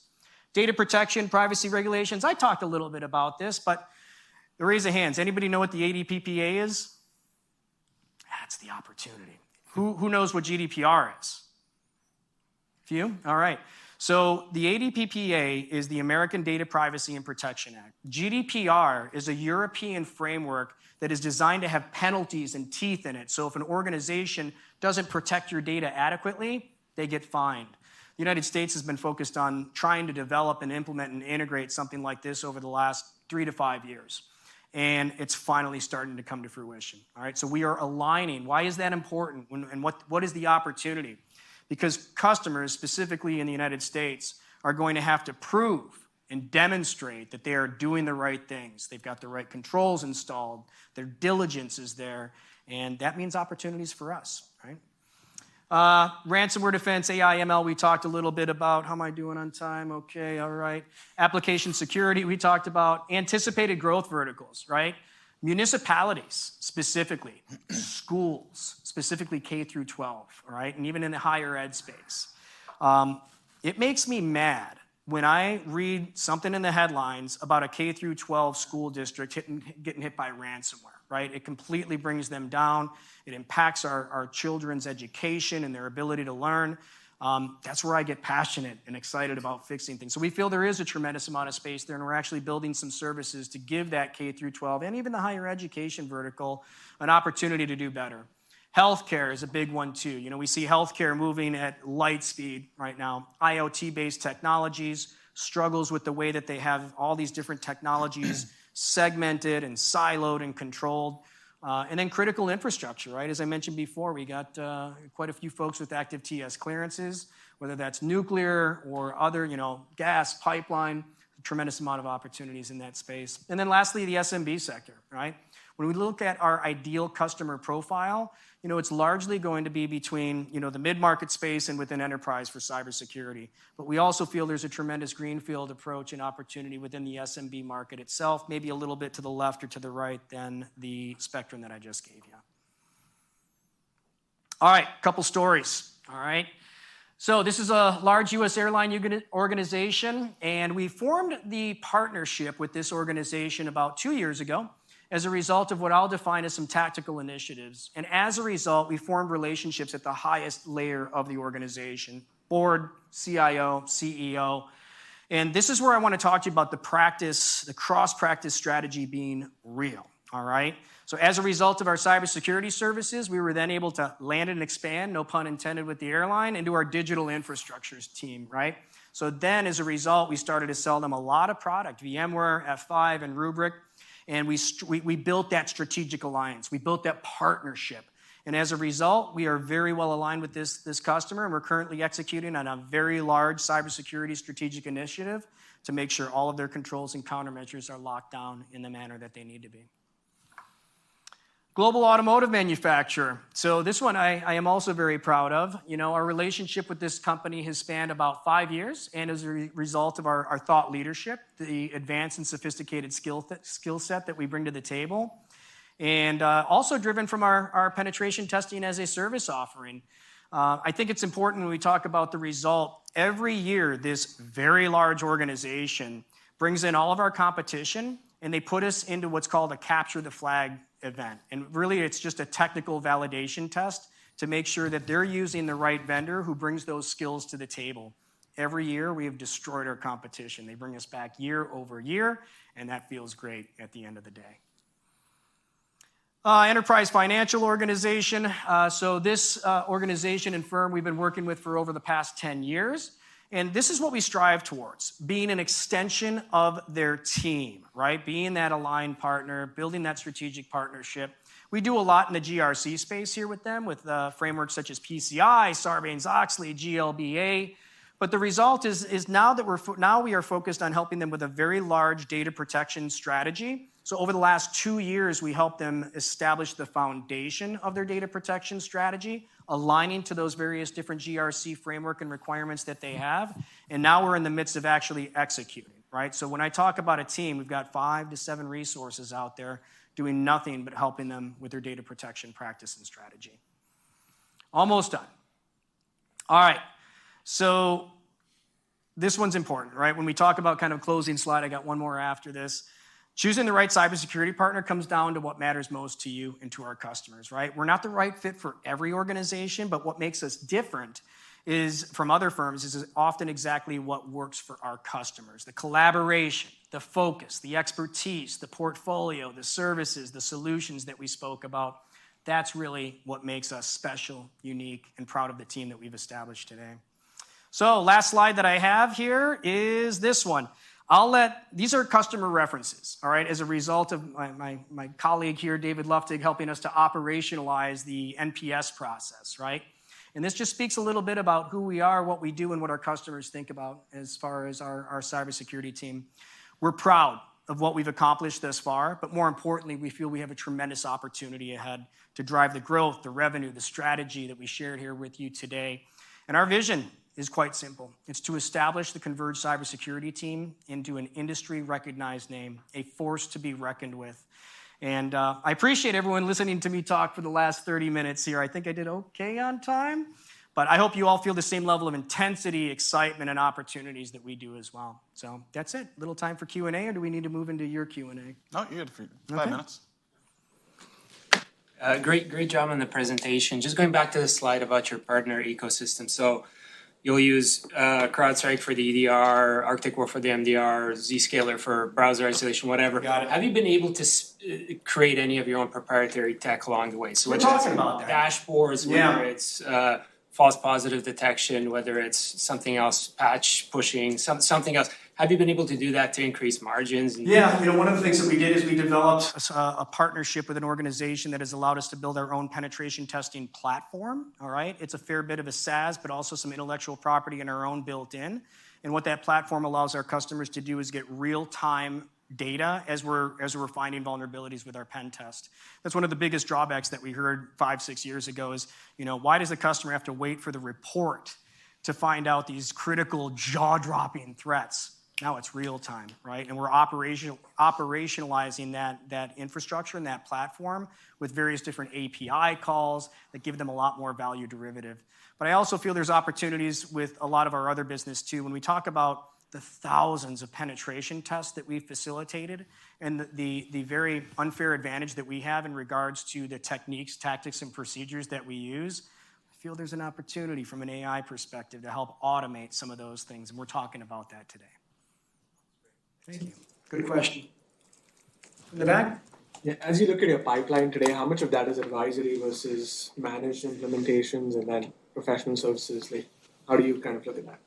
Data protection, privacy regulations, I talked a little bit about this, but a raise of hands, anybody know what the ADPPA is? That's the opportunity. Who, who knows what GDPR is? A few. All right. So the ADPPA is the American Data Privacy and Protection Act. GDPR is a European framework that is designed to have penalties and teeth in it. So if an organization doesn't protect your data adequately, they get fined. The United States has been focused on trying to develop and implement and integrate something like this over the last three-five years, and it's finally starting to come to fruition. All right, so we are aligning. Why is that important? When and what, what is the opportunity? Because customers, specifically in the United States, are going to have to prove and demonstrate that they are doing the right things, they've got the right controls installed, their diligence is there, and that means opportunities for us, right? Ransomware defense, AI, ML, we talked a little bit about. How am I doing on time? Okay. All right. Application security, we talked about. Anticipated growth verticals, right? Municipalities, specifically. Schools, specifically K-12, right? And even in the higher ed space. It makes me mad when I read something in the headlines about a K-12 school district getting hit by ransomware, right? It completely brings them down. It impacts our children's education and their ability to learn. That's where I get passionate and excited about fixing things. So we feel there is a tremendous amount of space there, and we're actually building some services to give that K-12, and even the higher education vertical, an opportunity to do better. Healthcare is a big one, too. You know, we see healthcare moving at light speed right now. IoT-based technologies, struggles with the way that they have all these different technologies segmented and siloed and controlled. And then critical infrastructure, right? As I mentioned before, we got quite a few folks with active TS clearances, whether that's nuclear or other, you know, gas pipeline, tremendous amount of opportunities in that space. And then lastly, the SMB sector, right? When we look at our ideal customer profile, you know, it's largely going to be between, you know, the mid-market space and within enterprise for cybersecurity. But we also feel there's a tremendous greenfield approach and opportunity within the SMB market itself, maybe a little bit to the left or to the right than the spectrum that I just gave you. All right, a couple stories. All right. So this is a large U.S. airline organization, and we formed the partnership with this organization about two years ago, as a result of what I'll define as some tactical initiatives. And as a result, we formed relationships at the highest layer of the organization: board, CIO, CEO. And this is where I wanna talk to you about the practice, the cross-practice strategy being real, all right? So as a result of our cybersecurity services, we were then able to land and expand, no pun intended, with the airline into our digital infrastructures team, right? So then, as a result, we started to sell them a lot of product, VMware, F5, and Rubrik, and we built that strategic alliance, we built that partnership. As a result, we are very well aligned with this customer, and we're currently executing on a very large cybersecurity strategic initiative to make sure all of their controls and countermeasures are locked down in the manner that they need to be. Global automotive manufacturer. This one, I am also very proud of. You know, our relationship with this company has spanned about five years, and as a result of our thought leadership, the advanced and sophisticated skill set that we bring to the table, and also driven from our penetration testing as-a-service offering. I think it's important when we talk about the result, every year, this very large organization brings in all of our competition, and they put us into what's called a capture the flag event. And really, it's just a technical validation test to make sure that they're using the right vendor who brings those skills to the table. Every year, we have destroyed our competition. They bring us back year over year, and that feels great at the end of the day. An enterprise financial organization. So this organization and firm we've been working with for over the past 10 years, and this is what we strive towards, being an extension of their team, right? Being that aligned partner, building that strategic partnership. We do a lot in the GRC space here with them, with frameworks such as PCI, Sarbanes-Oxley, GLBA. But the result is now that we are focused on helping them with a very large data protection strategy. So over the last two years, we helped them establish the foundation of their data protection strategy, aligning to those various different GRC framework and requirements that they have, and now we're in the midst of actually executing, right? So when I talk about a team, we've got five to seven resources out there doing nothing but helping them with their data protection practice and strategy. Almost done. All right. So this one's important, right? When we talk about kind of closing slide, I got one more after this. Choosing the right cybersecurity partner comes down to what matters most to you and to our customers, right? We're not the right fit for every organization, but what makes us different is, from other firms, is often exactly what works for our customers. The collaboration, the focus, the expertise, the portfolio, the services, the solutions that we spoke about, that's really what makes us special, unique, and proud of the team that we've established today. So last slide that I have here is this one. I'll let. These are customer references, all right? As a result of my colleague here, David Luftig, helping us to operationalize the NPS process, right? And this just speaks a little bit about who we are, what we do, and what our customers think about as far as our cybersecurity team. We're proud of what we've accomplished thus far, but more importantly, we feel we have a tremendous opportunity ahead to drive the growth, the revenue, the strategy that we shared here with you today. Our vision is quite simple: It's to establish the Converge cybersecurity team into an industry-recognized name, a force to be reckoned with. I appreciate everyone listening to me talk for the last 30 minutes here. I think I did okay on time, but I hope you all feel the same level of intensity, excitement, and opportunities that we do as well. So that's it. Little time for Q&A, or do we need to move into your Q&A? No, you had five minutes. Okay. Great, great job on the presentation. Just going back to the slide about your partner ecosystem. So you'll use CrowdStrike for the EDR, Arctic Wolf for the MDR, Zscaler for browser isolation, whatever. Got it. Have you been able to create any of your own proprietary tech along the way? We're talking about that. Dashboards- Yeah. Whether it's false positive detection, whether it's something else, patch pushing, something else. Have you been able to do that to increase margins? Yeah. You know, one of the things that we did is we developed a partnership with an organization that has allowed us to build our own penetration testing platform, all right? It's a fair bit of a SaaS, but also some intellectual property and our own built-in. And what that platform allows our customers to do is get real-time data as we're finding vulnerabilities with our pen test. That's one of the biggest drawbacks that we heard five, six years ago is, you know, why does a customer have to wait for the report to find out these critical, jaw-dropping threats? Now, it's real time, right? And we're operationalizing that infrastructure and that platform with various different API calls that give them a lot more value derivative. But I also feel there's opportunities with a lot of our other business, too. When we talk about the thousands of penetration tests that we've facilitated and the very unfair advantage that we have in regards to the techniques, tactics, and procedures that we use, I feel there's an opportunity from an AI perspective to help automate some of those things, and we're talking about that today. Great. Thank you. Good question. In the back? Yeah. As you look at your pipeline today, how much of that is advisory versus managed implementations and then professional services? Like, how do you kind of look at that?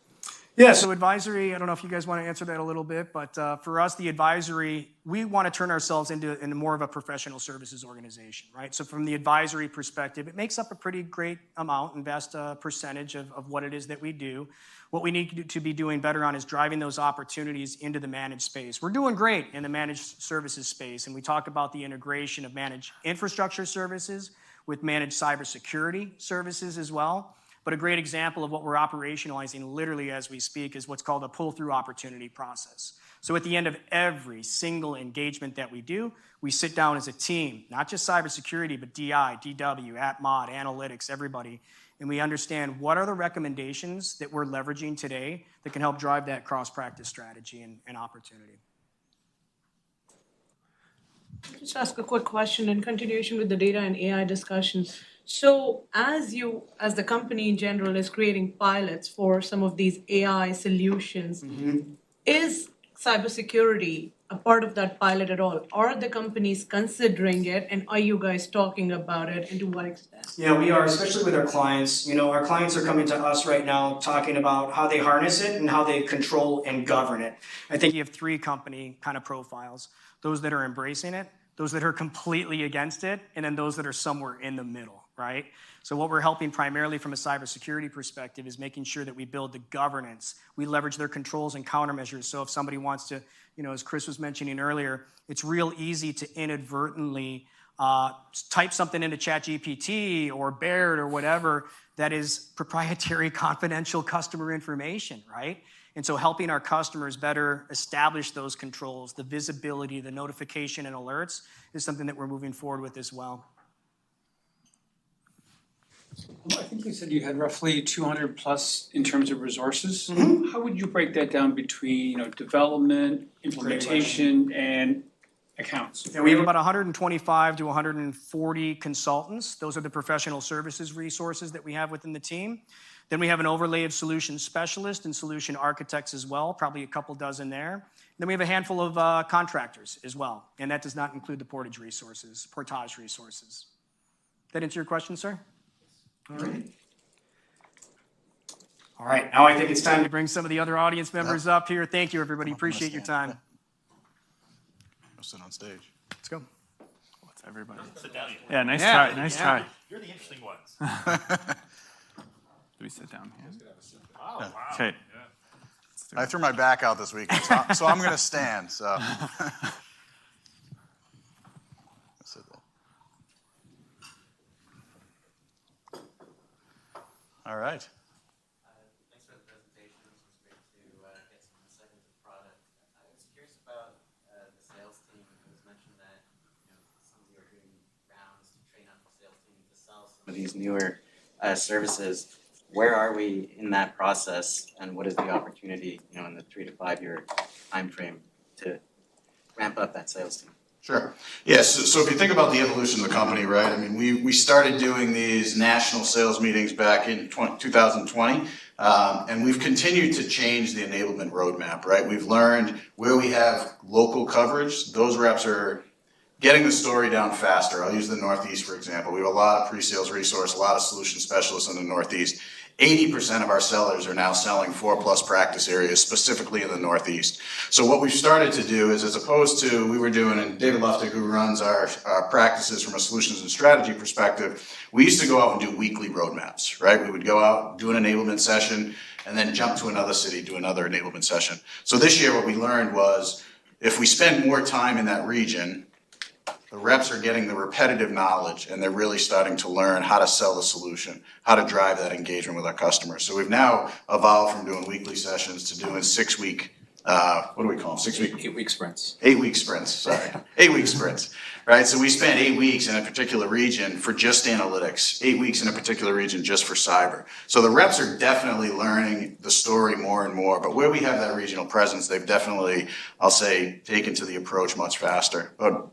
Yeah. So advisory, I don't know if you guys wanna answer that a little bit, but for us, the advisory, we wanna turn ourselves into more of a professional services organization, right? So from the advisory perspective, it makes up a pretty great amount, and vast percentage of what it is that we do. What we need to be doing better on is driving those opportunities into the managed space. We're doing great in the managed services space, and we talk about the integration of managed infrastructure services with managed cybersecurity services as well. But a great example of what we're operationalizing literally as we speak is what's called a pull-through opportunity process. At the end of every single engagement that we do, we sit down as a team, not just cybersecurity, but DI, DW, AppMod, Analytics, everybody, and we understand what are the recommendations that we're leveraging today that can help drive that cross-practice strategy and opportunity. Just ask a quick question in continuation with the data and AI discussions. As you, as the company in general, is creating pilots for some of these AI solutions is cybersecurity a part of that pilot at all? Are the companies considering it, and are you guys talking about it, and to what extent? Yeah, we are, especially with our clients. You know, our clients are coming to us right now, talking about how they harness it and how they control and govern it. I think you have three company kinda profiles: those that are embracing it, those that are completely against it, and then those that are somewhere in the middle, right? So what we're helping primarily from a cybersecurity perspective is making sure that we build the governance. We leverage their controls and countermeasures, so if somebody wants to. You know, as Chris was mentioning earlier, it's real easy to inadvertently type something into ChatGPT, or Bard, or whatever, that is proprietary, confidential customer information, right? And so helping our customers better establish those controls, the visibility, the notification and alerts, is something that we're moving forward with as well. I think you said you had roughly 200+ in terms of resources? How would you break that down between, you know, development, implementation- Great question And accounts? Yeah, we have about 125 to 140 consultants. Those are the professional services resources that we have within the team. Then, we have an overlay of solution specialists and solution architects as well, probably a couple dozen there. Then, we have a handful of contractors as well, and that does not include the Portage resources, Portage resources. That answer your question, sir? Yes. All right. All right, now I think it's time to bring some of the other audience members up here. Thank you, everybody. Appreciate your time. I'm gonna sit on stage. Let's go. Let's everybody- Sit down. Yeah, nice try. Nice try. You're the interesting ones. Let me sit down here. Oh, wow! Okay. Yeah. I threw my back out this week, so I'm gonna stand. So. All right. Thanks for the presentation. It was great to get some insight into the product. I was curious about the sales team. It was mentioned that, you know, some of you are doing rounds to train up the sales team to sell some of these newer services. Where are we in that process, and what is the opportunity, you know, in the three- to five-year timeframe to ramp up that sales team? Sure. Yeah, so, so if you think about the evolution of the company, right? I mean, we, we started doing these national sales meetings back in 2020. And we've continued to change the enablement roadmap, right? We've learned where we have local coverage, those reps are getting the story down faster. I'll use the Northeast, for example. We have a lot of pre-sales resource, a lot of solution specialists in the Northeast. 80% of our sellers are now selling four-plus practice areas, specifically in the Northeast. So what we've started to do is, as opposed to. We were doing, and David Luftig, who runs our, our practices from a solutions and strategy perspective, we used to go out and do weekly roadmaps, right? We would go out, do an enablement session, and then jump to another city, do another enablement session. So this year, what we learned was, if we spend more time in that region, the reps are getting the repetitive knowledge, and they're really starting to learn how to sell the solution, how to drive that engagement with our customers. So we've now evolved from doing weekly sessions to doing six-week, what do we call them? Six-week- Eight-week sprints. Eight-week sprints, sorry. Eight-week sprints, right? So we spent eight weeks in a particular region for just analytics, eight weeks in a particular region just for cyber. So the reps are definitely learning the story more and more, but where we have that regional presence, they've definitely, I'll say, taken to the approach much faster. But,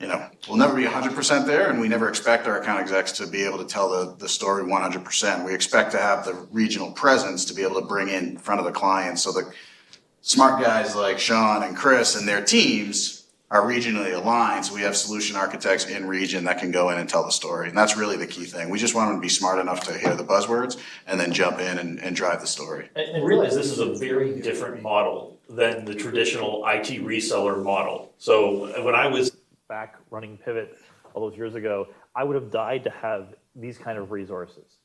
you know, we'll never be 100% there, and we never expect our account execs to be able to tell the, the story 100%. We expect to have the regional presence to be able to bring in front of the clients. So the smart guys like Shaun and Chris and their teams are regionally aligned, so we have solution architects in region that can go in and tell the story, and that's really the key thing. We just want them to be smart enough to hear the buzzwords and then jump in and drive the story. And realize this is a very different model than the traditional IT reseller model. So when I was back running Pivot all those years ago, I would have died to have these kind of resources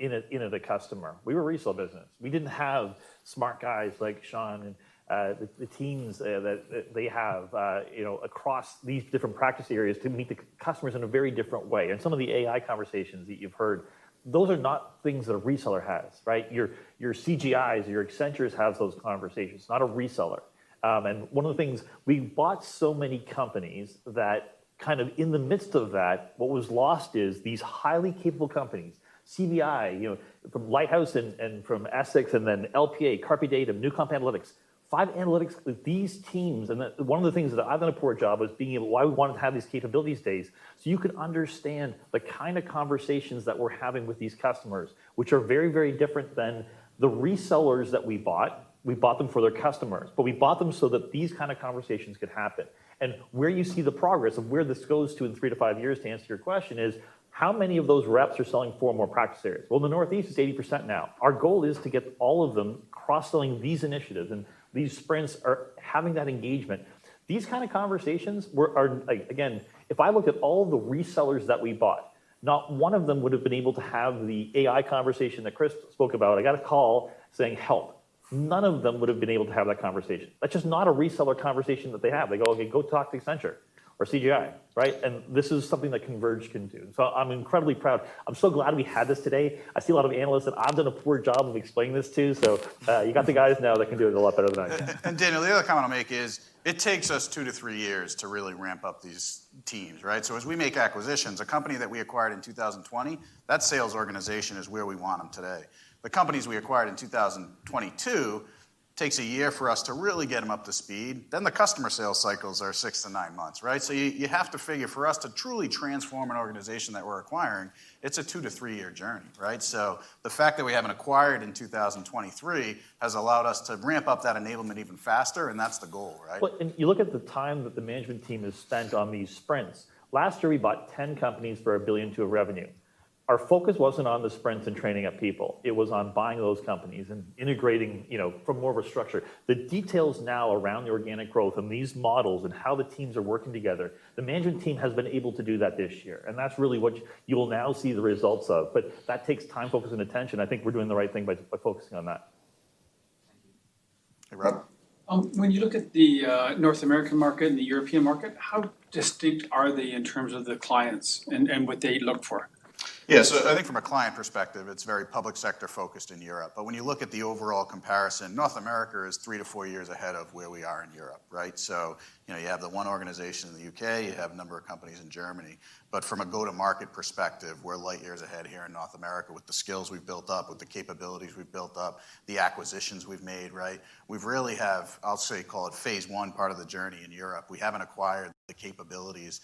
in the customer. We were a resale business. We didn't have smart guys like Shaun and the teams that they have, you know, across these different practice areas to meet the customers in a very different way. And some of the AI conversations that you've heard, those are not things that a reseller has, right? Your CGIs, your Accentures have those conversations, not a reseller. And one of the things, we bought so many companies that kind of in the midst of that, what was lost is these highly capable companies, CBI, you know, from Lighthouse and, and from Essex, and then LPA, Carpe Diem, Newcomp Analytics, Five Analytics, these teams. And the, one of the things that I've done a poor job is being able to why we want to have these capabilities days. So you can understand the kind of conversations that we're having with these customers, which are very, very different than the resellers that we bought. We bought them for their customers, but we bought them so that these kind of conversations could happen. And where you see the progress of where this goes to in three to five years, to answer your question, is how many of those reps are selling four more practice areas? Well, the Northeast is 80% now. Our goal is to get all of them cross-selling these initiatives, and these sprints are having that engagement. These kind of conversations were, are like, again, if I looked at all the resellers that we bought, not one of them would have been able to have the AI conversation that Chris spoke about. I got a call saying, "Help." None of them would have been able to have that conversation. That's just not a reseller conversation that they have. They go, "Okay, go talk to Accenture or CGI," right? And this is something that Converge can do. So I'm incredibly proud. I'm so glad we had this today. I see a lot of analysts that I've done a poor job of explaining this to, so, you got the guys now that can do it a lot better than I can. And David, the other comment I'll make is, it takes us two-three years to really ramp up these teams, right? So as we make acquisitions, a company that we acquired in 2020, that sales organization is where we want them today. The companies we acquired in 2022, takes a year for us to really get them up to speed. Then the customer sales cycles are six-nine months, right? So you, you have to figure, for us to truly transform an organization that we're acquiring, it's a two-three-year journey, right? So the fact that we haven't acquired in 2023 has allowed us to ramp up that enablement even faster, and that's the goal, right? Well, you look at the time that the management team has spent on these sprints. Last year, we bought 10 companies for 1.2 billion of revenue. Our focus wasn't on the sprints and training up people. It was on buying those companies and integrating, you know, from more of a structure. The details now around the organic growth and these models and how the teams are working together, the management team has been able to do that this year, and that's really what you will now see the results of. But that takes time, focus, and attention. I think we're doing the right thing by focusing on that. Hey, Rob. When you look at the North American market and the European market, how distinct are they in terms of the clients and what they look for? Yeah. So I think from a client perspective, it's very public sector-focused in Europe. But when you look at the overall comparison, North America is three-four years ahead of where we are in Europe, right? So, you know, you have the one organization in the U.K., you have a number of companies in Germany. But from a go-to-market perspective, we're light years ahead here in North America with the skills we've built up, with the capabilities we've built up, the acquisitions we've made, right? We've really have, I'll say, call it phase one part of the journey in Europe. We haven't acquired the capabilities,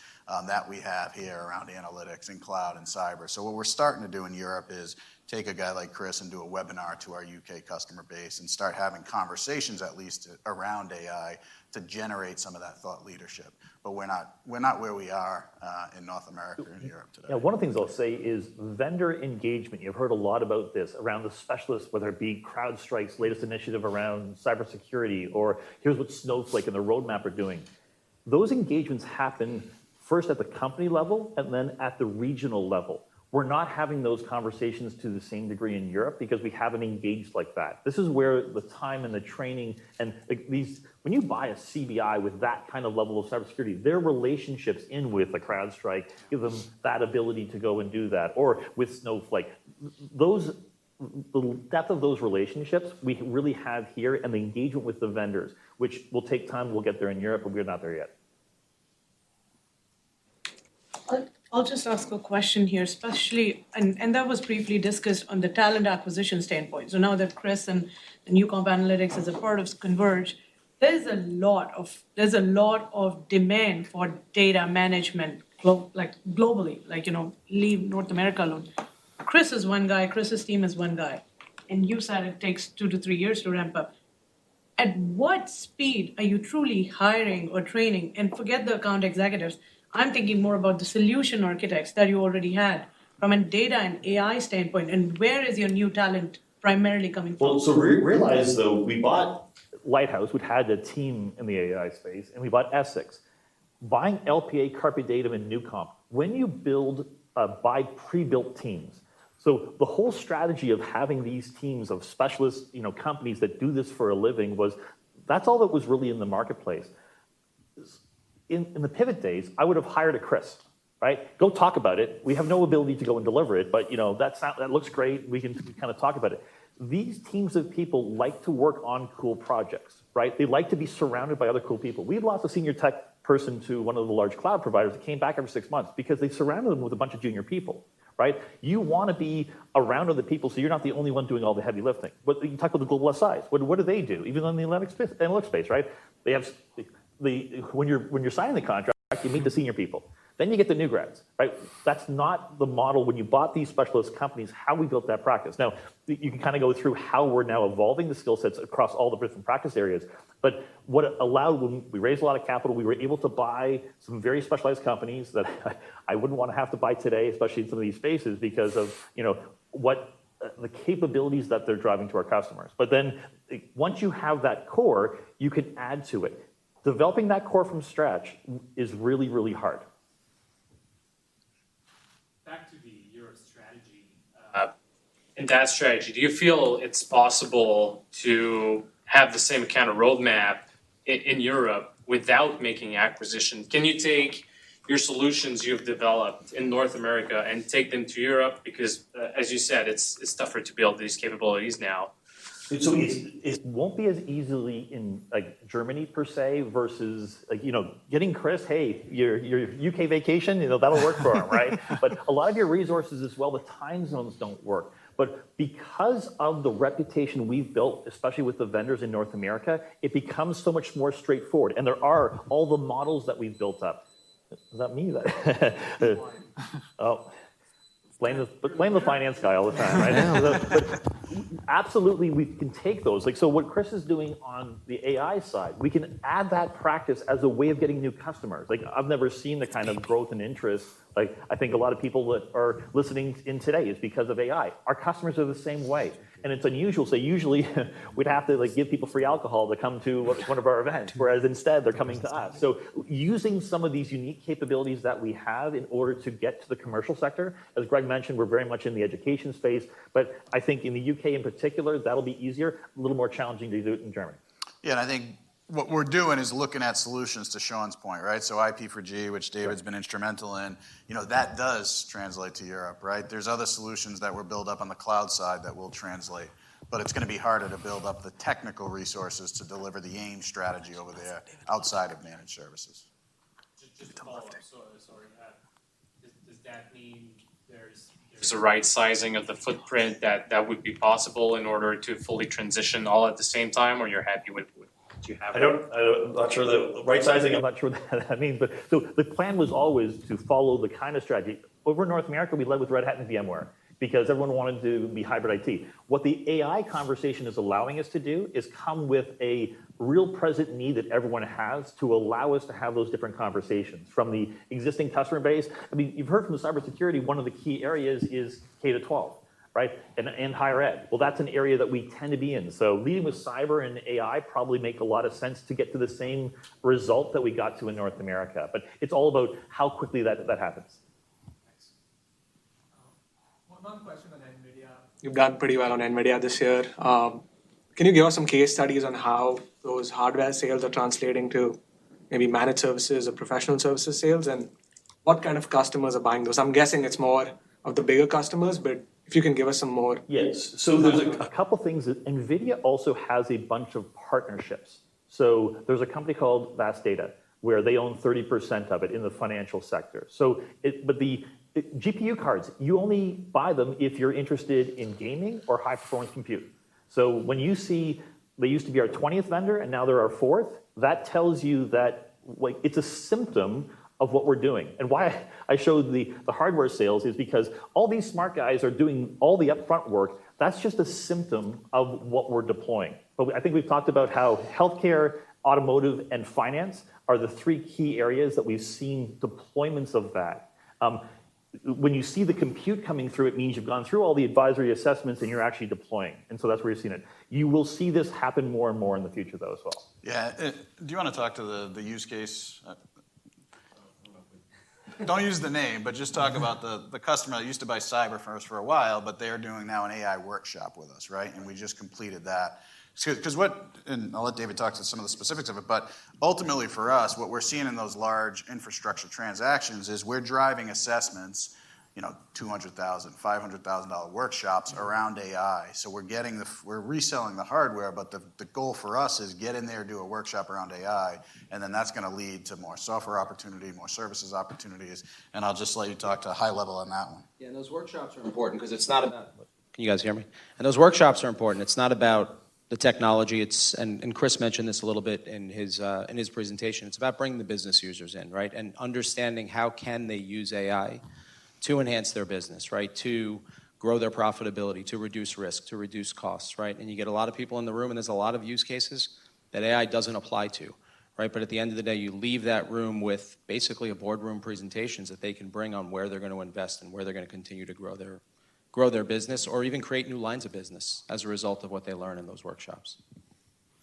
that we have here around analytics and cloud and cyber. So what we're starting to do in Europe is take a guy like Chris and do a webinar to our U.K. customer base and start having conversations, at least around AI, to generate some of that thought leadership. But we're not, we're not where we are in North America or Europe today. Yeah, one of the things I'll say is vendor engagement. You've heard a lot about this, around the specialists, whether it be CrowdStrike's latest initiative around cybersecurity, or here's what Snowflake and the roadmap are doing those engagements happen first at the company level, and then at the regional level. We're not having those conversations to the same degree in Europe because we haven't engaged like that. This is where the time and the training and like these—when you buy a CBI with that kind of level of cybersecurity, their relationships in with a CrowdStrike give them that ability to go and do that, or with Snowflake. Those, the depth of those relationships we really have here and the engagement with the vendors, which will take time, we'll get there in Europe, but we're not there yet. I'll just ask a question here, especially, and that was briefly discussed on the talent acquisition standpoint. So now that Chris and the Newcomp Analytics is a part of Converge, there's a lot of demand for data management globally, like, you know, leave North America alone. Chris is one guy, Chris's team is one guy, and you said it takes two-three years to ramp up. At what speed are you truly hiring or training? And forget the account executives, I'm thinking more about the solution architects that you already had from a data and AI standpoint, and where is your new talent primarily coming from? Well, so realize, though, we bought Lighthouse, we'd had a team in the AI space, and we bought Essex. Buying LPA, Carpe Diem, and Newcomp, when you build by pre-built teams. So the whole strategy of having these teams of specialist, you know, companies that do this for a living was, that's all that was really in the marketplace. In the Pivot days, I would have hired a Chris, right? "Go talk about it. We have no ability to go and deliver it, but, you know, that looks great. We can kind of talk about it." These teams of people like to work on cool projects, right? They like to be surrounded by other cool people. We had lost a senior tech person to one of the large cloud providers, who came back after six months because they surrounded them with a bunch of junior people, right? You want to be around other people, so you're not the only one doing all the heavy lifting. But you talk with the global size. What, what do they do? Even on the analytics space, right? They have the, when you're signing the contract, you meet the senior people, then you get the new grads, right? That's not the model when you bought these specialist companies, how we built that practice. Now, you can kinda go through how we're now evolving the skill sets across all the different practice areas, but what allowed—we raised a lot of capital, we were able to buy some very specialized companies that I wouldn't want to have to buy today, especially in some of these spaces, because of, you know, what the capabilities that they're driving to our customers. But then, once you have that core, you can add to it. Developing that core from scratch is really, really hard. Back to the Europe strategy. In that strategy, do you feel it's possible to have the same kind of roadmap in, in Europe without making acquisitions? Can you take your solutions you've developed in North America and take them to Europe? Because, as you said, it's tougher to build these capabilities now. So it won't be as easily in, like, Germany per se, versus like, you know, getting Chris, hey, your U.K. vacation, you know, that'll work for him, right? But a lot of your resources as well, the time zones don't work. But because of the reputation we've built, especially with the vendors in North America, it becomes so much more straightforward, and there are all the models that we've built up. Does that mean that? Oh, blame the finance guy all the time, right? Absolutely, we can take those. Like, so what Chris is doing on the AI side, we can add that practice as a way of getting new customers. Like, I've never seen the kind of growth and interest, like, I think a lot of people that are listening in today, is because of AI. Our customers are the same way, and it's unusual. So usually, we'd have to, like, give people free alcohol to come to one of our events, whereas instead, they're coming to us. So using some of these unique capabilities that we have in order to get to the commercial sector, as Greg mentioned, we're very much in the education space, but I think in the U.K. in particular, that'll be easier, a little more challenging to do it in Germany. Yeah, and I think what we're doing is looking at solutions to Shaun's point, right? So IP4G, which David's been instrumental in, you know, that does translate to Europe, right? There's other solutions that were built up on the cloud side that will translate, but it's gonna be harder to build up the technical resources to deliver the AIM strategy over there outside of managed services. Just to follow, so sorry, does that mean there's a right sizing of the footprint that would be possible in order to fully transition all at the same time, or you're happy with what you have? I'm not sure the right sizing. I'm not sure what that means, but the plan was always to follow the kind of strategy. Over North America, we led with Red Hat and VMware because everyone wanted to be hybrid IT. What the AI conversation is allowing us to do is come with a real present need that everyone has to allow us to have those different conversations from the existing customer base. I mean, you've heard from the cybersecurity, one of the key areas is K-12, right? And higher ed. Well, that's an area that we tend to be in. Leading with cyber and AI probably make a lot of sense to get to the same result that we got to in North America, but it's all about how quickly that happens. Thanks. One question on NVIDIA. You've done pretty well on NVIDIA this year. Can you give us some case studies on how those hardware sales are translating to maybe managed services or professional services sales, and what kind of customers are buying those? I'm guessing it's more of the bigger customers, but if you can give us some more- Yes. So there's a couple of things. NVIDIA also has a bunch of partnerships. So there's a company called Vast Data, where they own 30% of it in the financial sector. But the, the GPU cards, you only buy them if you're interested in gaming or high-performance computing. So when you see they used to be our 20th vendor and now they're our 4th, that tells you that, like, it's a symptom of what we're doing. And why I showed the, the hardware sales is because all these smart guys are doing all the upfront work, that's just a symptom of what we're deploying. But I think we've talked about how healthcare, automotive, and finance are the three key areas that we've seen deployments of that. When you see the compute coming through, it means you've gone through all the advisory assessments, and you're actually deploying, and so that's where you've seen it. You will see this happen more and more in the future, though, as well. Yeah, do you wanna talk to the, the use case? Don't use the name, but just talk about the customer that used to buy cyber from us for a while, but they are doing now an AI workshop with us, right? We just completed that. So 'cause and I'll let David talk to some of the specifics of it, but ultimately for us, what we're seeing in those large infrastructure transactions is we're driving assessments, you know, $200,000, $500,000 dollar workshops around AI. So we're getting the, we're reselling the hardware, but the goal for us is get in there, do a workshop around AI, and then that's gonna lead to more software opportunity, more services opportunities, and I'll just let you talk to a high level on that one. Yeah, and those workshops are important 'cause it's not about. Can you guys hear me? And those workshops are important. It's not about the technology, it's— and Chris mentioned this a little bit in his presentation, it's about bringing the business users in, right? And understanding how can they use AI to enhance their business, right? To grow their profitability, to reduce risk, to reduce costs, right? And you get a lot of people in the room, and there's a lot of use cases that AI doesn't apply to, right? But at the end of the day, you leave that room with basically a boardroom presentation that they can bring on where they're gonna invest and where they're gonna continue to grow their business, or even create new lines of business as a result of what they learn in those workshops.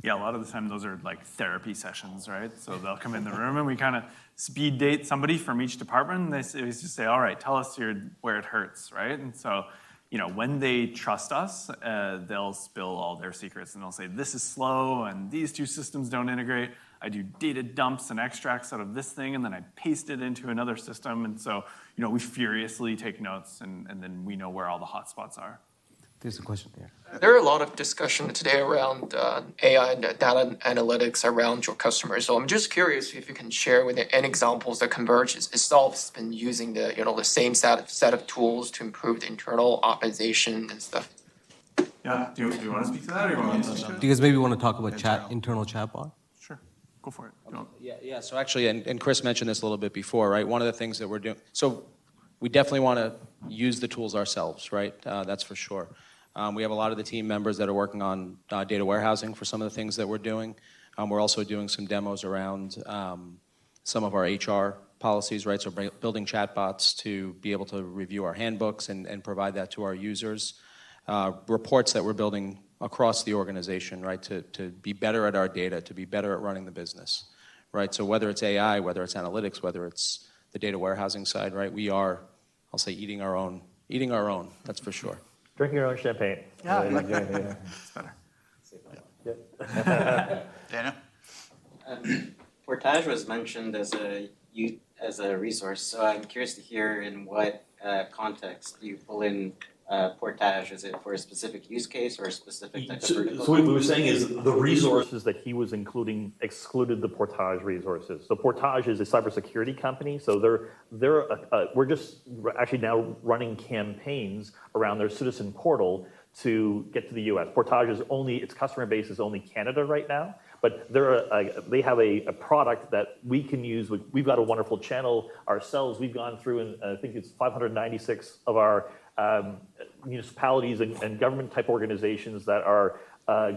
Yeah, a lot of the time, those are, like, therapy sessions, right? So they'll come in the room, and we kinda speed date somebody from each department, and they say, we just say: All right, tell us your, where it hurts, right? And so, you know, when they trust us, they'll spill all their secrets, and they'll say, "This is slow, and these two systems don't integrate. I do data dumps and extracts out of this thing, and then I paste it into another system." And so, you know, we furiously take notes, and, and then we know where all the hotspots are. There's a question there. There are a lot of discussion today around AI and data analytics around your customers. So I'm just curious if you can share with me any examples that Converge itself has been using the, you know, the same set of tools to improve the internal optimization and stuff. Yeah. Do you, do you wanna speak to that, or you want me to talk about it? Do you guys maybe wanna talk about chat, internal chatbot? Sure. Go for it. Yeah, yeah. So actually, Chris mentioned this a little bit before, right? One of the things that we're doing. So we definitely wanna use the tools ourselves, right? That's for sure. We have a lot of the team members that are working on data warehousing for some of the things that we're doing. We're also doing some demos around some of our HR policies, right? So building chatbots to be able to review our handbooks and provide that to our users. Reports that we're building across the organization, right? To be better at our data, to be better at running the business, right? So whether it's AI, whether it's analytics, whether it's the data warehousing side, right, we are, I'll say, eating our own, eating our own, that's for sure. Drinking our own champagne. Yeah, yeah. That's better. Dana? Portage was mentioned as a resource, so I'm curious to hear in what context do you pull in Portage? Is it for a specific use case or a specific type of vertical? So what we were saying is the resources that he was including excluded the Portage resources. So Portage is a cybersecurity company, so they're a. We're just actually now running campaigns around their citizen portal to get to the U.S. Portage is only, its customer base is only Canada right now, but there are, they have a product that we can use. We've got a wonderful channel ourselves. We've gone through, and I think it's 596 of our municipalities and government-type organizations that are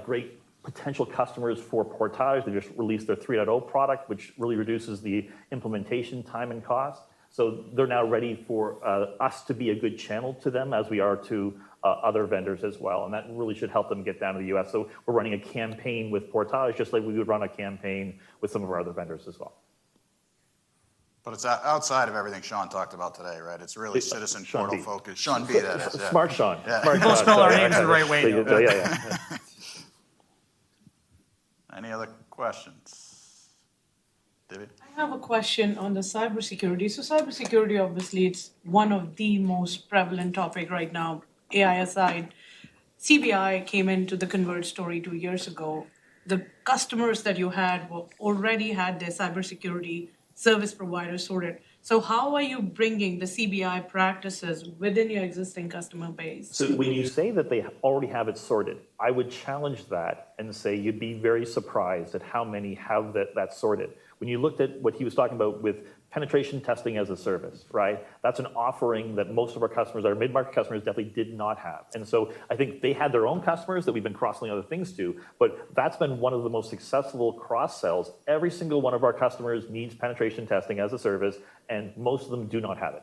great potential customers for Portage. They just released their 3.0 product, which really reduces the implementation time and cost. So they're now ready for us to be a good channel to them, as we are to other vendors as well, and that really should help them get down to the U.S. So we're running a campaign with Portage, just like we would run a campaign with some of our other vendors as well. But it's outside of everything Shaun talked about today, right? It's really citizen portal-focused. Shaun P. Smart Shaun. Yeah. People spell our names the right way, though. Yeah, yeah. Any other questions? David? I have a question on the cybersecurity. So cybersecurity, obviously, it's one of the most prevalent topic right now, AI aside. CBI came into the Converge story two years ago. The customers that you had already had their cybersecurity service provider sorted. So how are you bringing the CBI practices within your existing customer base? So when you say that they already have it sorted, I would challenge that and say you'd be very surprised at how many have that, that sorted. When you looked at what he was talking about with penetration testing as a service, right? That's an offering that most of our customers, our mid-market customers, definitely did not have. And so I think they had their own customers that we've been crossing other things to, but that's been one of the most successful cross-sells. Every single one of our customers needs penetration testing as a service, and most of them do not have it.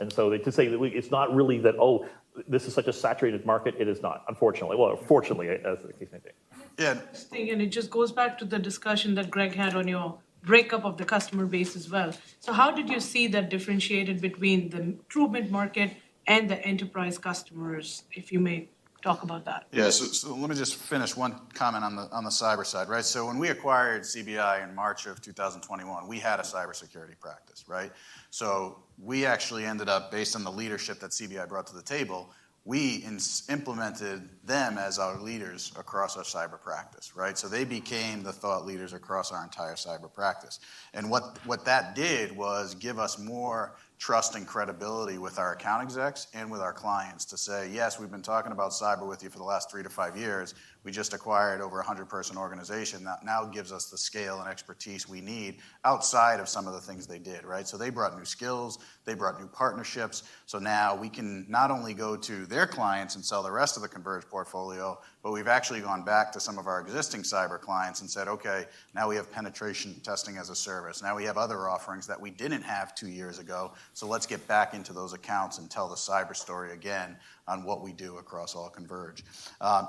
And so to say that we, It's not really that, oh, this is such a saturated market, it is not, unfortunately. Well, fortunately, as the case may be. Interesting, and it just goes back to the discussion that Greg had on your breakup of the customer base as well. How did you see that differentiated between the true mid-market and the enterprise customers, if you may talk about that? Yeah, so, so let me just finish one comment on the, on the cyber side, right? So when we acquired CBI in March 2021, we had a cybersecurity practice, right? So we actually ended up, based on the leadership that CBI brought to the table, we implemented them as our leaders across our cyber practice, right? So they became the thought leaders across our entire cyber practice. And what that did was give us more trust and credibility with our account execs and with our clients to say: Yes, we've been talking about cyber with you for the last three-five years. We just acquired over a 100-person organization that now gives us the scale and expertise we need outside of some of the things they did, right? So they brought new skills, they brought new partnerships. So now we can not only go to their clients and sell the rest of the Converge portfolio, but we've actually gone back to some of our existing cyber clients and said, "Okay, now we have penetration testing as a service. Now we have other offerings that we didn't have two years ago, so let's get back into those accounts and tell the cyber story again on what we do across all Converge."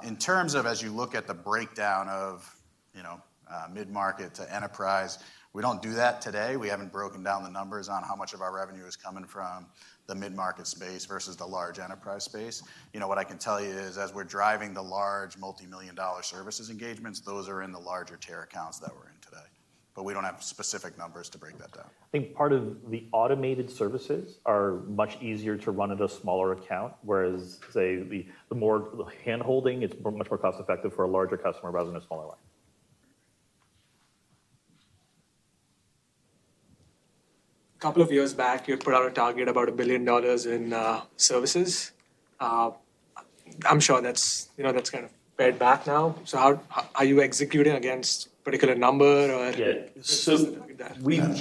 In terms of as you look at the breakdown of, you know, mid-market to enterprise, we don't do that today. We haven't broken down the numbers on how much of our revenue is coming from the mid-market space versus the large enterprise space. You know, what I can tell you is, as we're driving the large multimillion-dollar services engagements, those are in the larger tier accounts that we're in today. But we don't have specific numbers to break that down. I think part of the automated services are much easier to run at a smaller account, whereas, say, the more the handholding, it's much more cost-effective for a larger customer rather than a smaller one. A couple of years back, you put out a target, about $1 billion in services. I'm sure that's, you know, that's kind of pared back now. So how are you executing against particular number or- Yeah. So we- Yeah.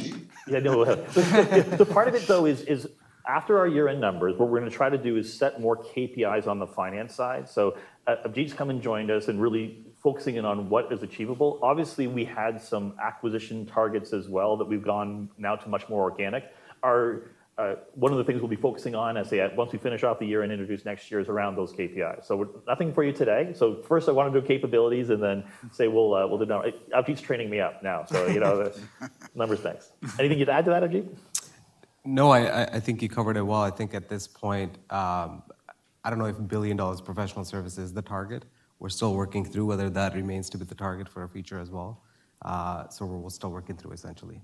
Yeah, no. The part of it, though, is after our year-end numbers, what we're gonna try to do is set more KPIs on the finance side. So, Avjit's come and joined us and really focusing in on what is achievable. Obviously, we had some acquisition targets as well that we've gone now to much more organic. Our, one of the things we'll be focusing on, as I say, once we finish off the year and introduce next year, is around those KPIs. So nothing for you today. So first, I want to do capabilities and then say, well, we'll do no-- Avjit's training me up now. So, you know, numbers, thanks. Anything you'd add to that, Avjit? No, I think you covered it well. I think at this point, I don't know if a $1 billion professional service is the target. We're still working through whether that remains to be the target for our future as well. So we're still working through, essentially.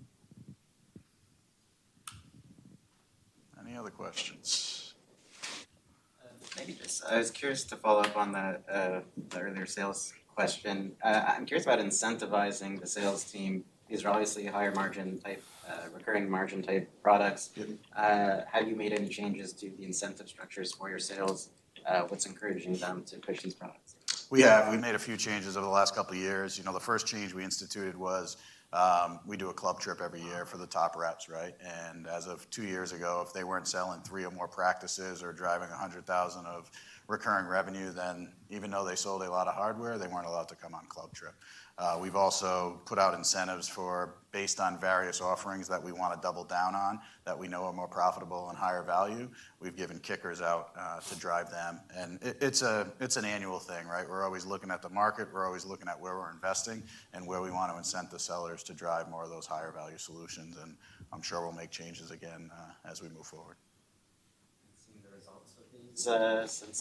Any other questions? Maybe just, I was curious to follow up on the, the earlier sales question. I'm curious about incentivizing the sales team. These are obviously higher margin type, recurring margin type products. Have you made any changes to the incentive structures for your sales? What's encouraging them to push these products? We have. We've made a few changes over the last couple of years. You know, the first change we instituted was, we do a club trip every year for the top reps, right? And as of two years ago, if they weren't selling three or more practices or driving 100,000 of recurring revenue, then even though they sold a lot of hardware, they weren't allowed to come on club trip. We've also put out incentives for based on various offerings that we want to double down on that we know are more profitable and higher value. We've given kickers out, to drive them, and it, it's a, it's an annual thing, right? We're always looking at the market. We're always looking at where we're investing and where we want to incent the sellers to drive more of those higher-value solutions, and I'm sure we'll make changes again, as we move forward. Seeing the results of these, since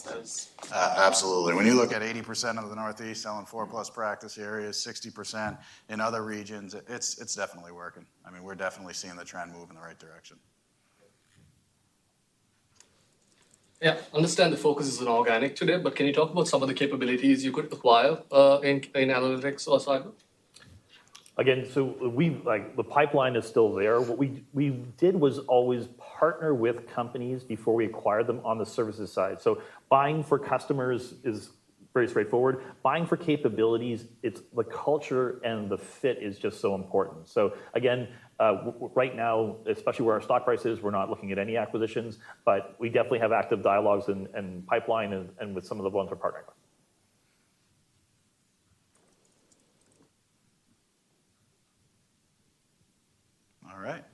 those? Absolutely. When you look at 80% of the Northeast selling 4+ practice areas, 60% in other regions, it's definitely working. I mean, we're definitely seeing the trend move in the right direction. Yeah, I understand the focus is on organic today, but can you talk about some of the capabilities you could acquire in analytics or cyber? Again, so we—like, the pipeline is still there. What we did was always partner with companies before we acquired them on the services side. So buying for customers is very straightforward. Buying for capabilities, it's the culture and the fit is just so important. So again, right now, especially where our stock price is, we're not looking at any acquisitions, but we definitely have active dialogues and pipeline and with some of the ones we're partnering with. All right.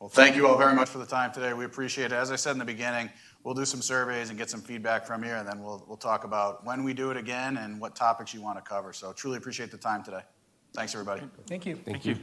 Well, thank you all very much for the time today. We appreciate it. As I said in the beginning, we'll do some surveys and get some feedback from you, and then we'll talk about when we do it again and what topics you want to cover. So truly appreciate the time today. Thanks, everybody. Thank you. Thank you.